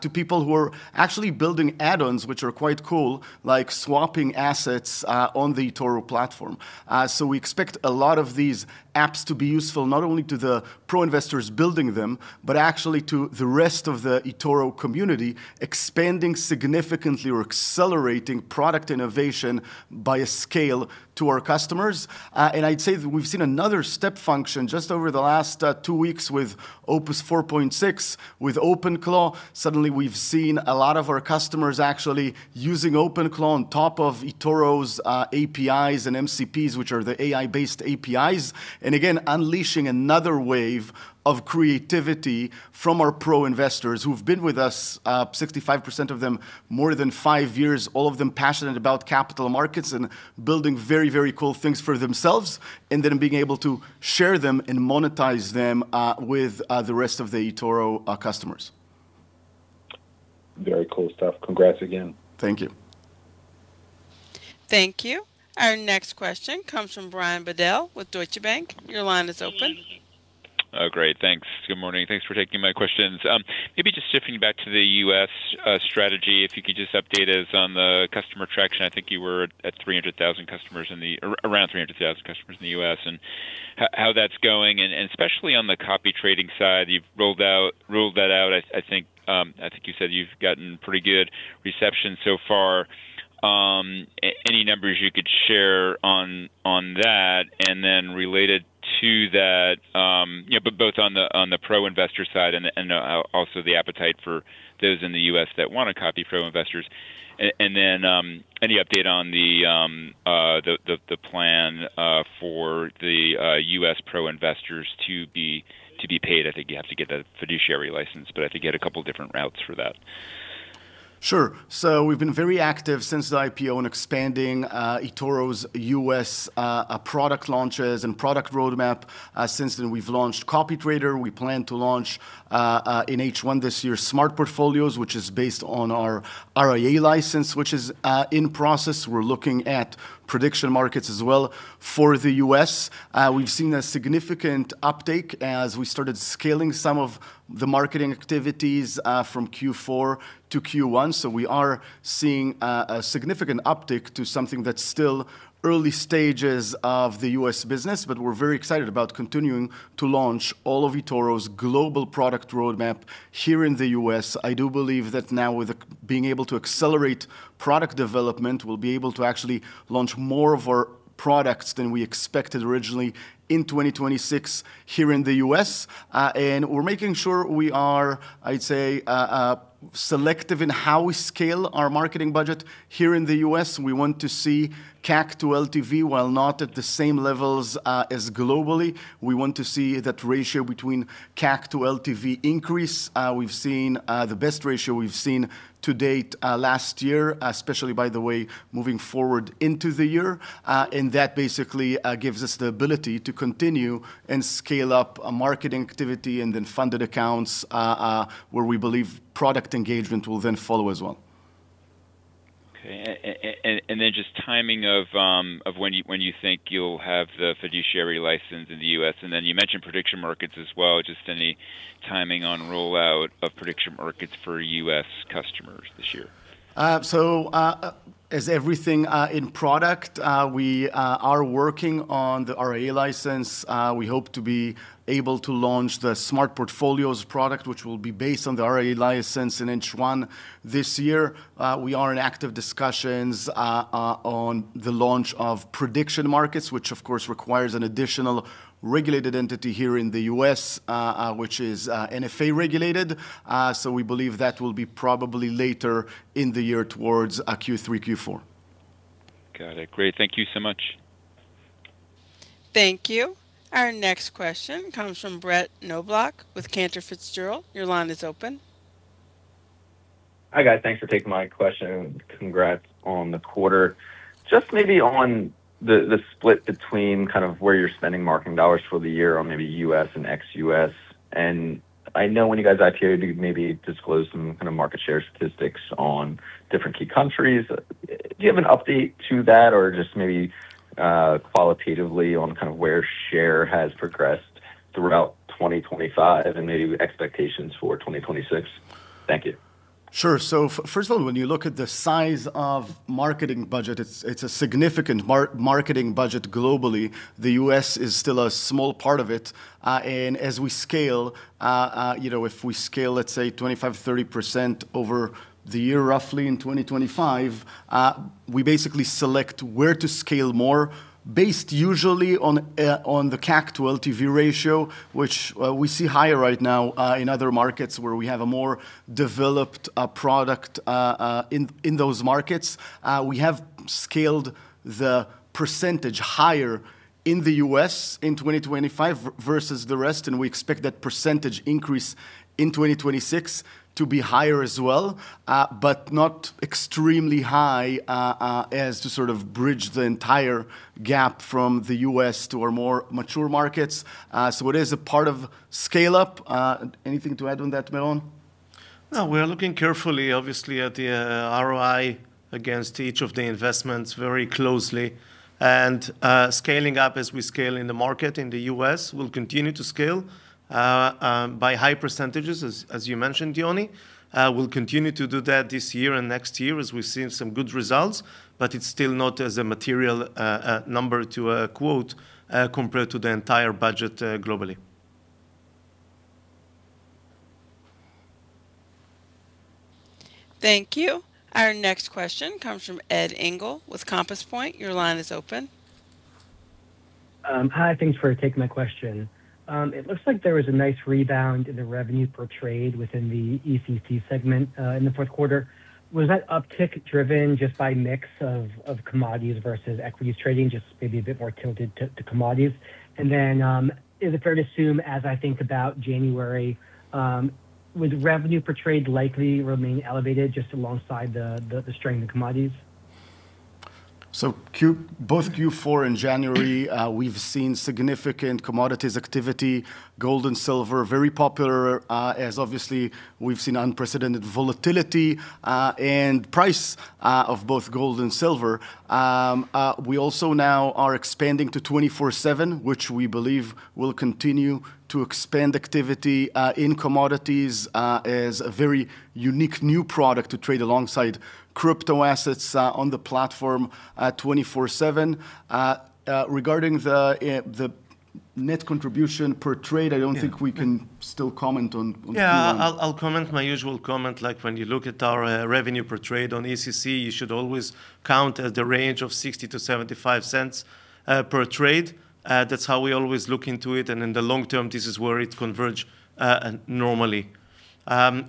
to people who are actually building add-ons, which are quite cool, like swapping assets on the eToro platform. So we expect a lot of these apps to be useful, not only to the pro investors building them, but actually to the rest of the eToro community, expanding significantly or accelerating product innovation by a scale to our customers. And I'd say that we've seen another step function just over the last two weeks with Opus 4.6, with OpenClaw. Suddenly, we've seen a lot of our customers actually using OpenClaw on top of eToro's APIs and MCPs, which are the AI-based APIs. And again, unleashing another wave of creativity from our pro investors who've been with us, 65% of them, more than five years, all of them passionate about capital markets and building very, very cool things for themselves, and then being able to share them and monetize them with the rest of the eToro customers. Very cool stuff. Congrats again. Thank you. Thank you. Our next question comes from Brian Bedell with Deutsche Bank. Your line is open. Oh, great. Thanks. Good morning. Thanks for taking my questions. Maybe just shifting back to the U.S. strategy, if you could just update us on the customer traction. I think you were at 300,000 customers in the... around 300,000 customers in the U.S., and how that's going, and especially on the copy trading side, you've rolled out, ruled that out. I think you said you've gotten pretty good reception so far. Any numbers you could share on that? And then related to that, yeah, but both on the pro investor side and also the appetite for those in the U.S. that want to copy pro investors. And then, any update on the plan for the U.S. pro investors to be paid? I think you have to get a fiduciary license, but I think you had a couple different routes for that. Sure. So we've been very active since the IPO in expanding eToro's U.S. product launches and product roadmap. Since then, we've launched CopyTrader. We plan to launch in H1 this year Smart Portfolios, which is based on our RIA license, which is in process. We're looking at prediction markets as well for the U.S. We've seen a significant uptake as we started scaling some of the marketing activities from Q4 to Q1. So we are seeing a significant uptick to something that's still early stages of the U.S. business. But we're very excited about continuing to launch all of eToro's global product roadmap here in the U.S. I do believe that now with the... Being able to accelerate product development, we'll be able to actually launch more of our products than we expected originally in 2026 here in the U.S. We're making sure we are, I'd say, selective in how we scale our marketing budget here in the U.S. We want to see CAC to LTV, while not at the same levels as globally, we want to see that ratio between CAC to LTV increase. We've seen the best ratio we've seen to date last year, especially by the way, moving forward into the year. That basically gives us the ability to continue and scale up our marketing activity and then funded accounts, where we believe product engagement will then follow as well. Okay. And then just timing of when you think you'll have the fiduciary license in the U.S. And then you mentioned prediction markets as well. Just any timing on rollout of prediction markets for U.S. customers this year? So, as everything in product, we are working on the RIA license. We hope to be able to launch the Smart Portfolios product, which will be based on the RIA license in H1 this year. We are in active discussions on the launch of prediction markets, which of course requires an additional regulated entity here in the U.S., which is NFA regulated. So we believe that will be probably later in the year towards Q3, Q4. Got it. Great. Thank you so much. Thank you. Our next question comes from Brett Knoblauch with Cantor Fitzgerald. Your line is open. Hi, guys. Thanks for taking my question, and congrats on the quarter. Just maybe on the split between kind of where you're spending marketing dollars for the year on maybe U.S. and ex-U.S. And I know when you guys IPO'd, you maybe disclosed some kind of market share statistics on different key countries. Do you have an update to that or just maybe qualitatively on kind of where share has progressed throughout 2025 and maybe expectations for 2026? Thank you. Sure. So first of all, when you look at the size of the marketing budget, it's a significant marketing budget globally. The US is still a small part of it. And as we scale, you know, if we scale, let's say 25%-30% over the year, roughly in 2025, we basically select where to scale more, based usually on the CAC to LTV ratio, which we see higher right now in other markets where we have a more developed product in those markets. We have scaled the percentage higher in the US in 2025 versus the rest, and we expect that percentage increase in 2026 to be higher as well, but not extremely high, as to sort of bridge the entire gap from the US to our more mature markets. It is a part of scale-up. Anything to add on that, Meron? No, we are looking carefully, obviously, at the ROI against each of the investments very closely, and scaling up as we scale in the market in the U.S. will continue to scale by high percentages, as you mentioned, Yoni. We'll continue to do that this year and next year, as we've seen some good results, but it's still not as a material number to quote compared to the entire budget globally. Thank you. Our next question comes from Ed Engel with Compass Point. Your line is open. Hi, thanks for taking my question. It looks like there was a nice rebound in the revenue per trade within the ECC segment in the fourth quarter. Was that uptick driven just by mix of commodities versus equities trading, just maybe a bit more tilted to commodities? And then, is it fair to assume, as I think about January, would revenue per trade likely remain elevated just alongside the strength in commodities? So both Q4 and January, we've seen significant commodities activity. Gold and silver, very popular, as obviously we've seen unprecedented volatility, in price, of both gold and silver. We also now are expanding to 24/7, which we believe will continue to expand activity, in commodities, as a very unique new product to trade alongside crypto assets, on the platform, 24/7. Regarding the, the net contribution per trade, I don't think we can still comment on, on Q1. Yeah, I'll, I'll comment my usual comment, like when you look at our revenue per trade on ECC, you should always count at the range of $0.60-$0.75 per trade. That's how we always look into it, and in the long term, this is where it converge normally.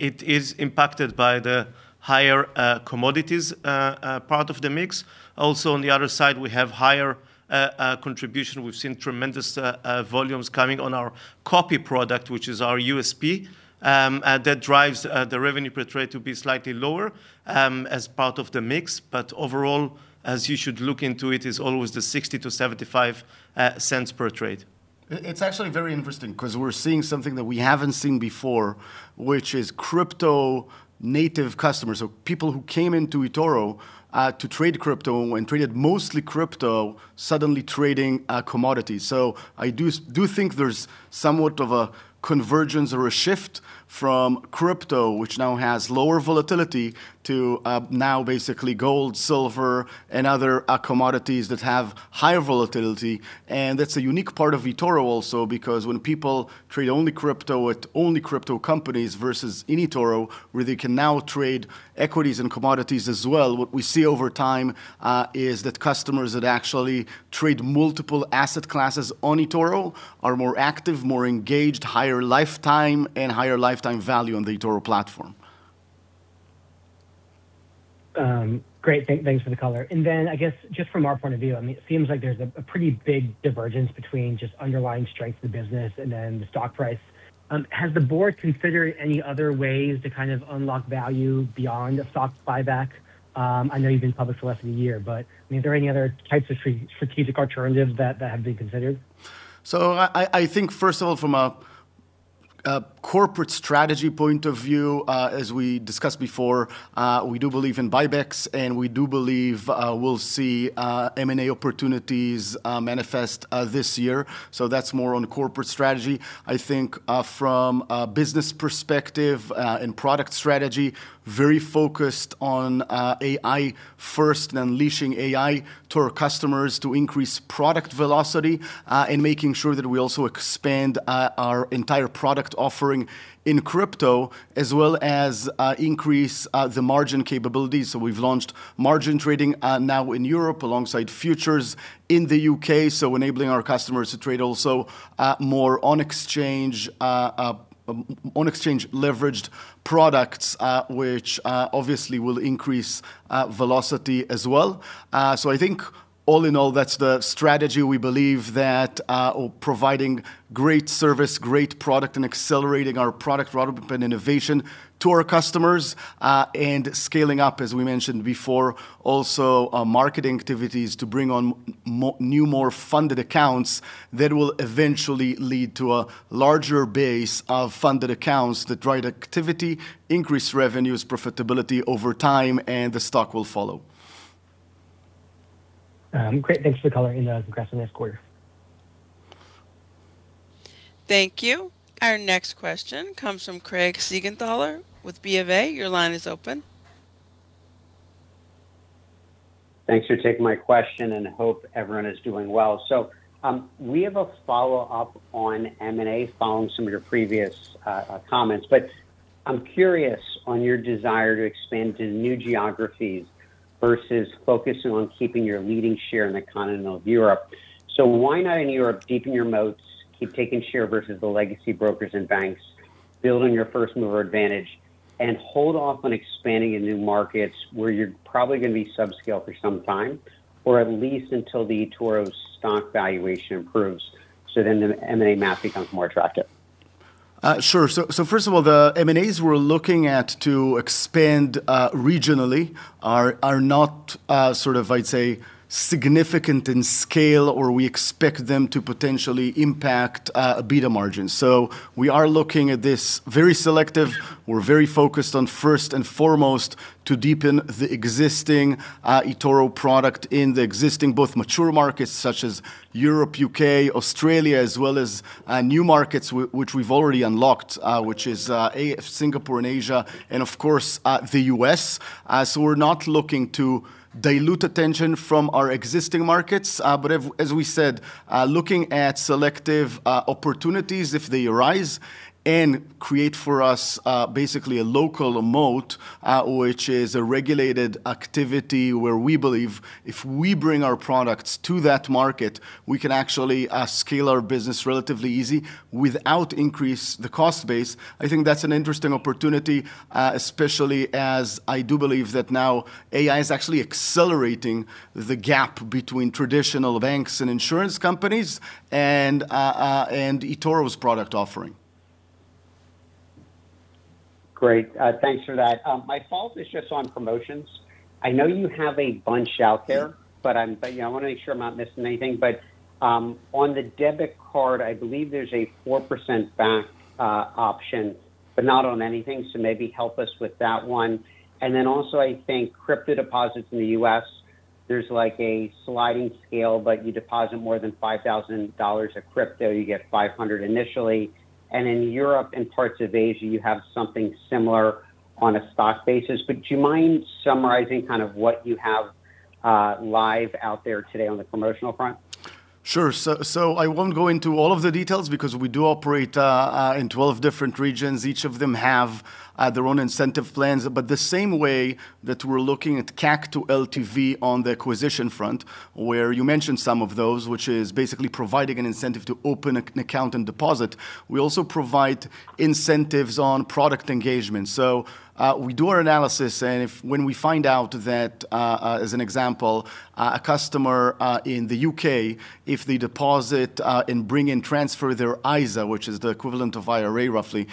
It is impacted by the higher commodities part of the mix. Also, on the other side, we have higher contribution. We've seen tremendous volumes coming on our copy product, which is our USP, that drives the revenue per trade to be slightly lower as part of the mix. But overall, as you should look into it, it's always the $0.60-$0.75 cents per trade. It's actually very interesting 'cause we're seeing something that we haven't seen before, which is crypto-native customers, so people who came into eToro to trade crypto and traded mostly crypto, suddenly trading commodities. So I do think there's somewhat of a convergence or a shift from crypto, which now has lower volatility, to now basically gold, silver, and other commodities that have higher volatility. And that's a unique part of eToro also, because when people trade only crypto with only crypto companies versus in eToro, where they can now trade equities and commodities as well, what we see over time is that customers that actually trade multiple asset classes on eToro are more active, more engaged, higher lifetime, and higher lifetime value on the eToro platform. Great. Thanks for the color. And then, I guess, just from our point of view, I mean, it seems like there's a pretty big divergence between just underlying strength of the business and then the stock price. Has the board considered any other ways to kind of unlock value beyond a stock buyback? I know you've been public for less than a year, but, I mean, are there any other types of strategic alternatives that have been considered? So I think, first of all, from a corporate strategy point of view, as we discussed before, we do believe in buybacks, and we do believe we'll see M&A opportunities manifest this year. So that's more on corporate strategy. I think, from a business perspective, and product strategy, very focused on AI-first, and unleashing AI to our customers to increase product velocity. And making sure that we also expand our entire product offering in crypto, as well as increase the margin capabilities. So we've launched margin trading now in Europe, alongside futures in the U.K., so enabling our customers to trade also more on-exchange, on-exchange leveraged products, which obviously will increase velocity as well. So I think all in all, that's the strategy. We believe that, providing great service, great product, and accelerating our product roadmap and innovation to our customers, and scaling up, as we mentioned before. Also, marketing activities to bring on more new, more funded accounts that will eventually lead to a larger base of funded accounts that drive activity, increase revenues, profitability over time, and the stock will follow. Great. Thanks for the color in the progress in this quarter. Thank you. Our next question comes from Craig Siegenthaler with BofA. Your line is open. Thanks for taking my question, and I hope everyone is doing well. So, we have a follow-up on M&A following some of your previous comments, but I'm curious on your desire to expand to new geographies versus focusing on keeping your leading share in the continent of Europe. So why not in Europe, deepen your moats, keep taking share versus the legacy brokers and banks, building your first mover advantage, and hold off on expanding in new markets where you're probably gonna be subscale for some time, or at least until the eToro stock valuation improves, so then the M&A math becomes more attractive? Sure. So, so first of all, the M&As we're looking at to expand, regionally are, are not, sort of, I'd say, significant in scale, or we expect them to potentially impact, EBITDA margins. So we are looking at this very selective. We're very focused on, first and foremost, to deepen the existing, eToro product in the existing, both mature markets such as Europe, U.K., Australia, as well as, new markets which we've already unlocked, which is, Asia, Singapore and Asia, and of course, the US. So we're not looking to dilute attention from our existing markets, but as we said, looking at selective opportunities if they arise, and create for us, basically a local moat, which is a regulated activity where we believe if we bring our products to that market, we can actually scale our business relatively easy without increase the cost base. I think that's an interesting opportunity, especially as I do believe that now AI is actually accelerating the gap between traditional banks and insurance companies, and eToro's product offering. Great. Thanks for that. My follow-up is just on promotions. I know you have a bunch out there, but I'm, but, yeah, I wanna make sure I'm not missing anything. But on the debit card, I believe there's a 4% back option, but not on anything, so maybe help us with that one. And then also, I think crypto deposits in the U.S., there's like a sliding scale, but you deposit more than $5,000 of crypto, you get $500 initially. And in Europe and parts of Asia, you have something similar on a stock basis. But do you mind summarizing kind of what you have live out there today on the promotional front? Sure. So I won't go into all of the details because we do operate in 12 different regions. Each of them have their own incentive plans. But the same way that we're looking at CAC to LTV on the acquisition front, where you mentioned some of those, which is basically providing an incentive to open an account and deposit, we also provide incentives on product engagement. So we do our analysis, and if when we find out that, as an example, a customer in the U.K., if they deposit and bring and transfer their ISA, which is the equivalent of IRA, roughly,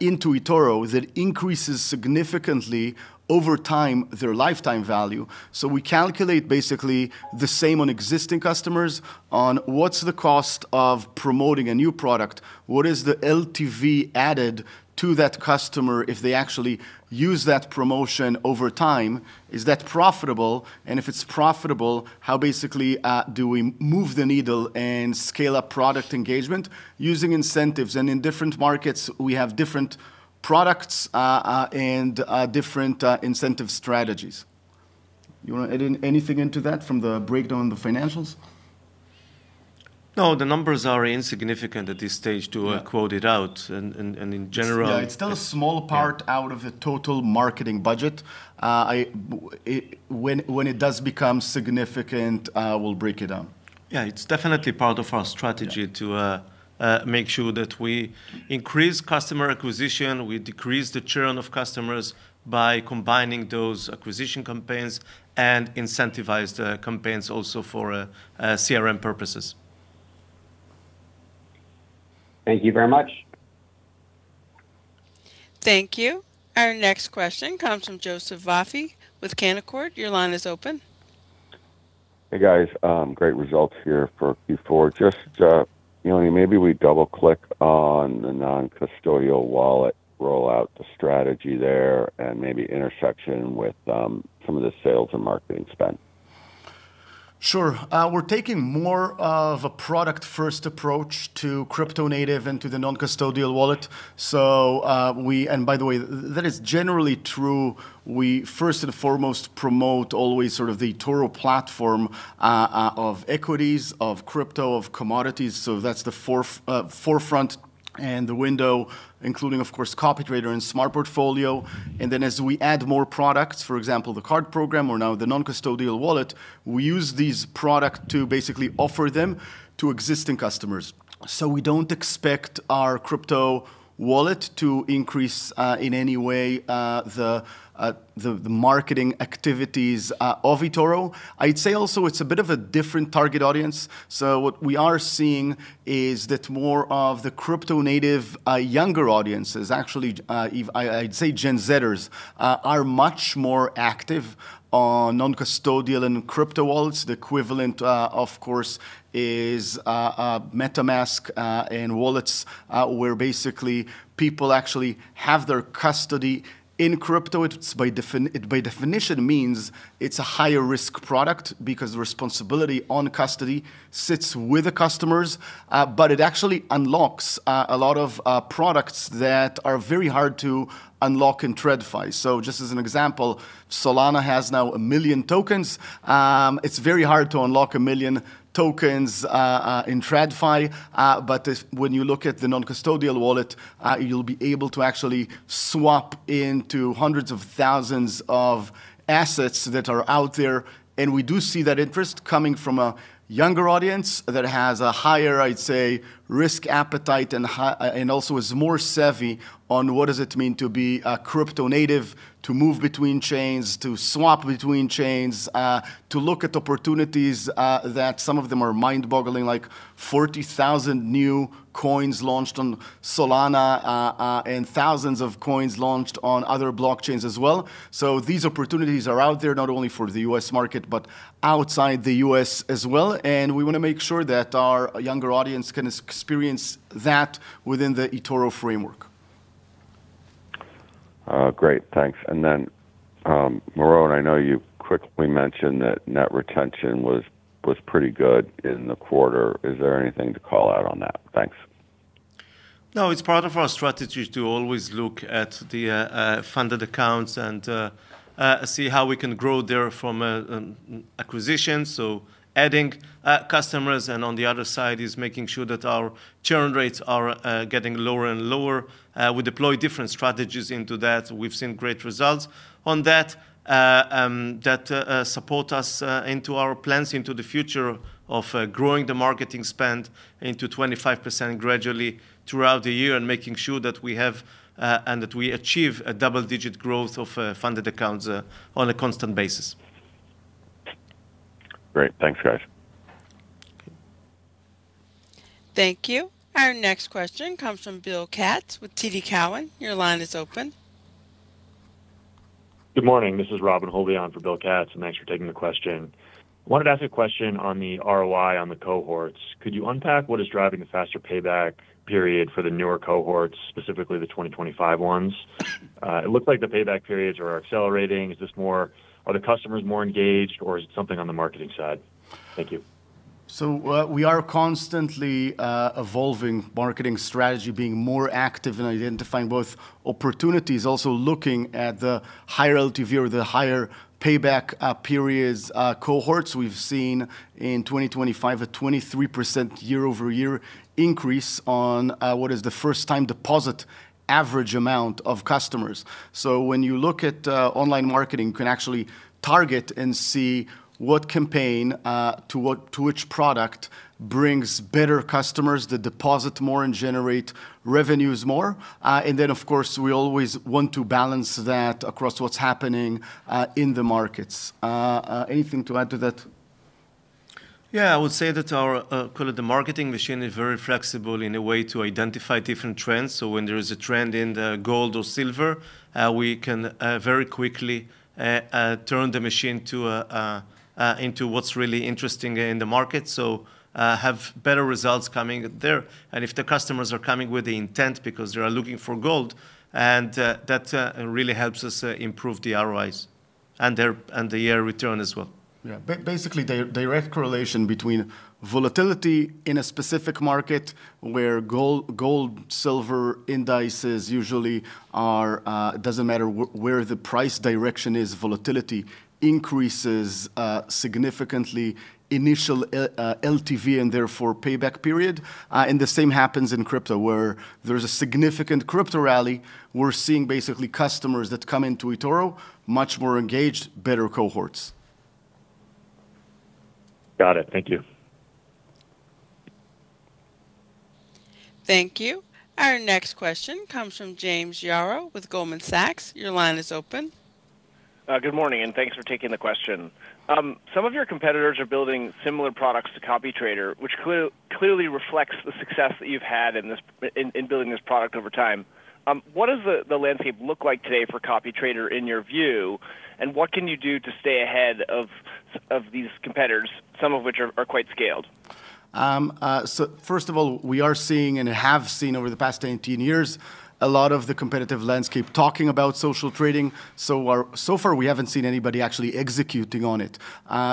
into eToro, that increases significantly over time, their lifetime value. So we calculate basically the same on existing customers on what's the cost of promoting a new product? What is the LTV added to that customer if they actually use that promotion over time? Is that profitable? And if it's profitable, how basically do we move the needle and scale up product engagement using incentives? And in different markets, we have different products and different incentive strategies. You wanna add anything into that from the breakdown of the financials? No, the numbers are insignificant at this stage. Yeah... to quote it out. And in general- Yeah, it's still a small part- Yeah... out of the total marketing budget. When it does become significant, we'll break it down. Yeah, it's definitely part of our strategy- Yeah... to make sure that we increase customer acquisition, we decrease the churn of customers by combining those acquisition campaigns and incentivized CRM purposes. Thank you very much.... Thank you. Our next question comes from Joseph Vafi with Canaccord. Your line is open. Hey, guys. Great results here for Q4. Just, you know, maybe we double-click on the non-custodial wallet, roll out the strategy there, and maybe intersection with some of the sales and marketing spend. Sure. We're taking more of a product-first approach to crypto-native and to the non-custodial wallet. So. And by the way, that is generally true. We, first and foremost, promote always sort of the eToro platform of equities, of crypto, of commodities. So that's the forefront and the window, including, of course, CopyTrader and Smart Portfolio. And then, as we add more products, for example, the card program or now the non-custodial wallet, we use these product to basically offer them to existing customers. So we don't expect our crypto wallet to increase in any way the marketing activities of eToro. I'd say also it's a bit of a different target audience. So what we are seeing is that more of the crypto-native younger audiences, actually, I'd say Gen Zers, are much more active on non-custodial and crypto wallets. The equivalent, of course, is MetaMask and wallets where basically people actually have their custody in crypto. It's by definition a higher risk product because the responsibility on custody sits with the customers. But it actually unlocks a lot of products that are very hard to unlock in TradFi. So just as an example, Solana has now 1 million tokens. It's very hard to unlock 1 million tokens in TradFi, but when you look at the non-custodial wallet, you'll be able to actually swap into hundreds of thousands of assets that are out there. We do see that interest coming from a younger audience that has a higher, I'd say, risk appetite and also is more savvy on what does it mean to be a crypto-native, to move between chains, to swap between chains, to look at opportunities, that some of them are mind-boggling, like 40,000 new coins launched on Solana, and thousands of coins launched on other blockchains as well. So these opportunities are out there not only for the U.S. market, but outside the U.S. as well, and we wanna make sure that our younger audience can experience that within the eToro framework. Great. Thanks. And then, Meron, I know you quickly mentioned that net retention was pretty good in the quarter. Is there anything to call out on that? Thanks. No, it's part of our strategy to always look at the funded accounts and see how we can grow there from a acquisition. So adding customers, and on the other side is making sure that our churn rates are getting lower and lower. We deploy different strategies into that. We've seen great results on that that support us into our plans into the future of growing the marketing spend into 25% gradually throughout the year and making sure that we have and that we achieve a double-digit growth of funded accounts on a constant basis. Great. Thanks, guys. Thank you. Our next question comes from Bill Katz with TD Cowen. Your line is open. Good morning. This is Robin Holby on for Bill Katz, and thanks for taking the question. Wanted to ask a question on the ROI on the cohorts. Could you unpack what is driving the faster payback period for the newer cohorts, specifically the 2025 ones? It looks like the payback periods are accelerating. Is this more... Are the customers more engaged, or is it something on the marketing side? Thank you. So, we are constantly evolving marketing strategy, being more active in identifying both opportunities, also looking at the higher LTV or the higher payback periods, cohorts. We've seen in 2025, a 23% year-over-year increase on what is the first-time deposit average amount of customers. So when you look at online marketing, you can actually target and see what campaign to which product brings better customers that deposit more and generate revenues more. And then, of course, we always want to balance that across what's happening in the markets. Anything to add to that? Yeah, I would say that our, call it, the marketing machine, is very flexible in a way to identify different trends. So when there is a trend in the gold or silver, we can very quickly turn the machine to into what's really interesting in the market, so have better results coming there. And if the customers are coming with the intent because they are looking for gold, and that really helps us improve the ROIs and the, and the year return as well. Yeah. Basically, the direct correlation between volatility in a specific market where gold, silver, indices usually are, it doesn't matter where the price direction is, volatility increases significantly initial LTV and therefore payback period. And the same happens in crypto, where there's a significant crypto rally, we're seeing basically customers that come into eToro, much more engaged, better cohorts. Got it. Thank you. Thank you. Our next question comes from James Yaro with Goldman Sachs. Your line is open. Good morning, and thanks for taking the question. Some of your competitors are building similar products to CopyTrader, which clearly reflects the success that you've had in this, in building this product over time. What does the landscape look like today for CopyTrader, in your view, and what can you do to stay ahead of these competitors, some of which are quite scaled? So first of all, we are seeing, and have seen over the past 18 years, a lot of the competitive landscape talking about social trading. So far, we haven't seen anybody actually executing on it.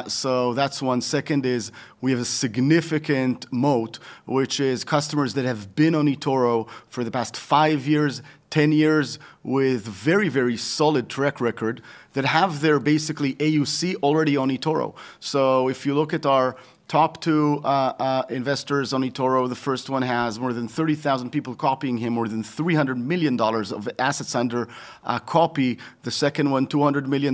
So that's one. Second is, we have a significant moat, which is customers that have been on eToro for the past five years, 10 years, with very, very solid track record, that have their basically AUC already on eToro. So if you look at our top two investors on eToro, the first one has more than 30,000 people copying him, more than $300 million of assets under copy. The second one, $200 million.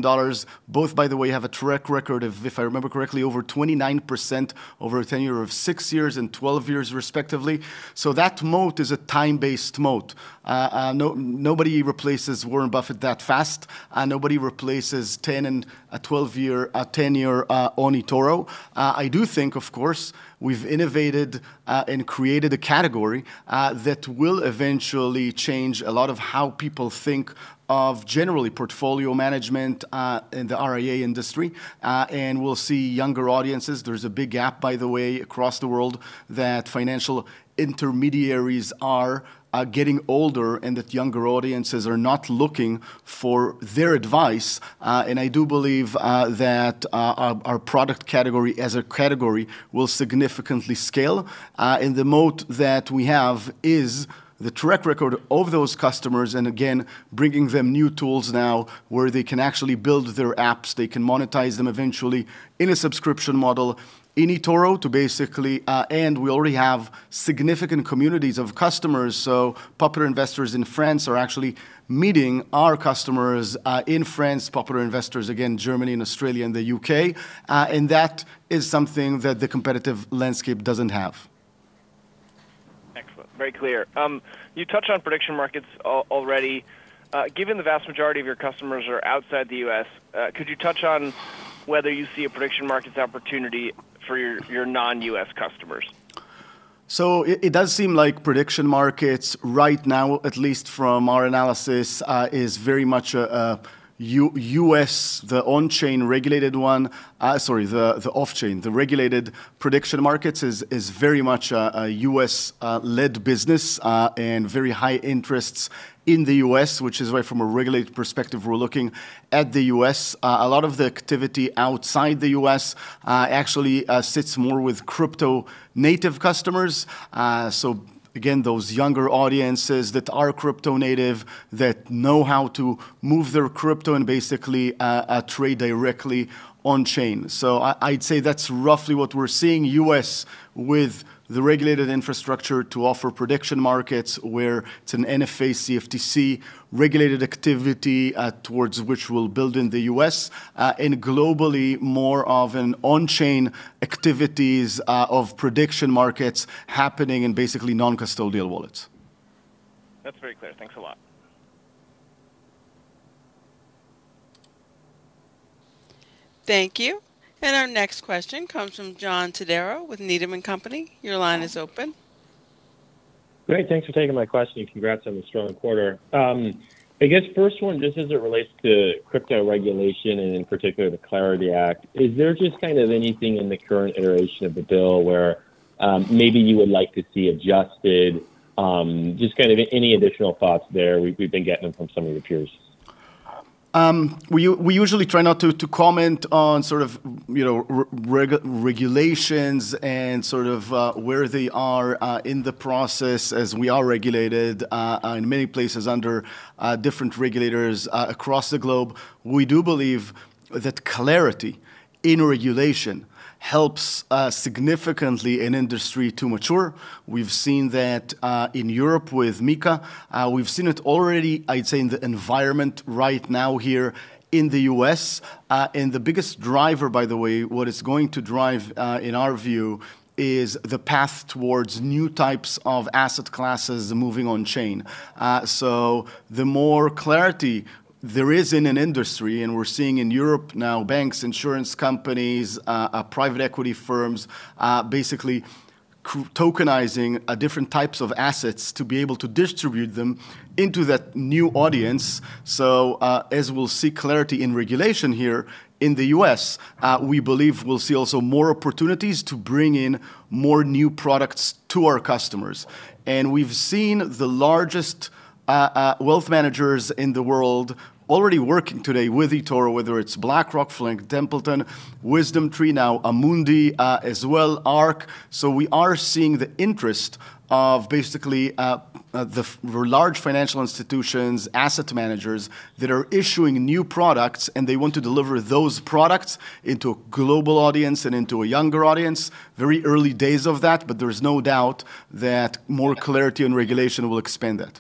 Both, by the way, have a track record of, if I remember correctly, over 29%, over a tenure of six years and 12 years respectively. So that moat is a time-based moat. Nobody replaces Warren Buffett that fast, and nobody replaces 10 and a 12-year, a 10-year on eToro. I do think, of course, we've innovated and created a category that will eventually change a lot of how people think of generally portfolio management in the RIA industry. And we'll see younger audiences. There's a big gap, by the way, across the world, that financial intermediaries are getting older, and that younger audiences are not looking for their advice. And I do believe that our product category as a category will significantly scale. And the moat that we have is the track record of those customers, and again, bringing them new tools now where they can actually build their apps, they can monetize them eventually in a subscription model in eToro, to basically... And we already have significant communities of customers. So popular investors in France are actually meeting our customers in France. Popular investors, again, Germany and Australia and the U.K., and that is something that the competitive landscape doesn't have. Excellent. Very clear. You touched on prediction markets already. Given the vast majority of your customers are outside the U.S., could you touch on whether you see a prediction markets opportunity for your, your non-U.S. customers? So it does seem like prediction markets right now, at least from our analysis, is very much a U.S. The off-chain. The regulated prediction markets is very much a U.S. led business, and very high interests in the U.S., which is why from a regulated perspective, we're looking at the U.S. A lot of the activity outside the U.S., actually, sits more with crypto-native customers. So again, those younger audiences that are crypto-native, that know how to move their crypto and basically trade directly on-chain. So I'd say that's roughly what we're seeing, U.S. with the regulated infrastructure to offer prediction markets, where it's an NFA, CFTC-regulated activity, towards which we'll build in the U.S. Globally, more of an on-chain activities of prediction markets happening in basically non-custodial wallets. That's very clear. Thanks a lot. Thank you. Our next question comes from John Todaro with Needham and Company. Your line is open. Great. Thanks for taking my question, and congrats on the strong quarter. I guess first one, just as it relates to crypto regulation and in particular the Clarity Act, is there just kind of anything in the current iteration of the bill where, maybe you would like to see adjusted? Just kind of any additional thoughts there. We've been getting them from some of your peers. We usually try not to comment on sort of, you know, regulations and sort of, where they are in the process, as we are regulated in many places under different regulators across the globe. We do believe that clarity in regulation helps significantly an industry to mature. We've seen that in Europe with MiCA. We've seen it already, I'd say, in the environment right now here in the U.S. And the biggest driver, by the way, what is going to drive, in our view, is the path towards new types of asset classes moving on-chain. So the more clarity there is in an industry, and we're seeing in Europe now, banks, insurance companies, private equity firms, basically crypto tokenizing different types of assets to be able to distribute them into that new audience. So as we'll see clarity in regulation here in the US, we believe we'll see also more opportunities to bring in more new products to our customers. And we've seen the largest wealth managers in the world already working today with eToro, whether it's BlackRock, Franklin Templeton, WisdomTree, now Amundi, as well, ARK. So we are seeing the interest of basically the very large financial institutions, asset managers, that are issuing new products, and they want to deliver those products into a global audience and into a younger audience. Very early days of that, but there is no doubt that more clarity and regulation will expand that.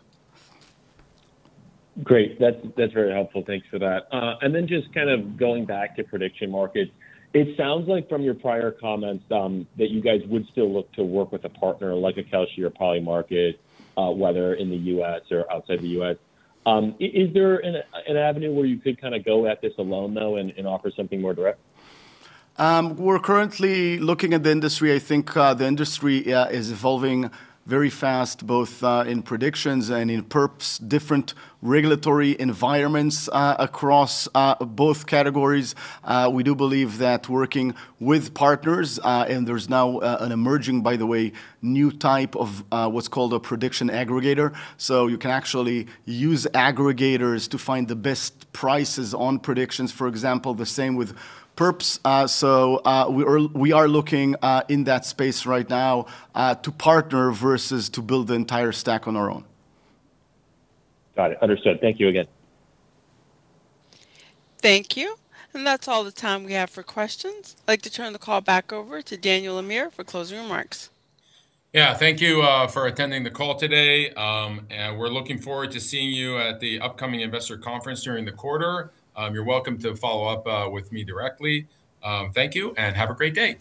Great. That's, that's very helpful. Thanks for that. And then just kind of going back to prediction markets, it sounds like from your prior comments, that you guys would still look to work with a partner like a Kalshi or Polymarket, whether in the U.S. or outside the U.S. Is there an avenue where you could kinda go at this alone, though, and offer something more direct? We're currently looking at the industry. I think the industry is evolving very fast, both in predictions and in perps, different regulatory environments across both categories. We do believe that working with partners, and there's now an emerging, by the way, new type of what's called a prediction aggregator. So you can actually use aggregators to find the best prices on predictions, for example. The same with perps. So, we are, we are looking in that space right now to partner versus to build the entire stack on our own. Got it. Understood. Thank you again. Thank you. That's all the time we have for questions. I'd like to turn the call back over to Daniel Amir for closing remarks. Yeah, thank you for attending the call today. And we're looking forward to seeing you at the upcoming investor conference during the quarter. You're welcome to follow up with me directly. Thank you, and have a great day!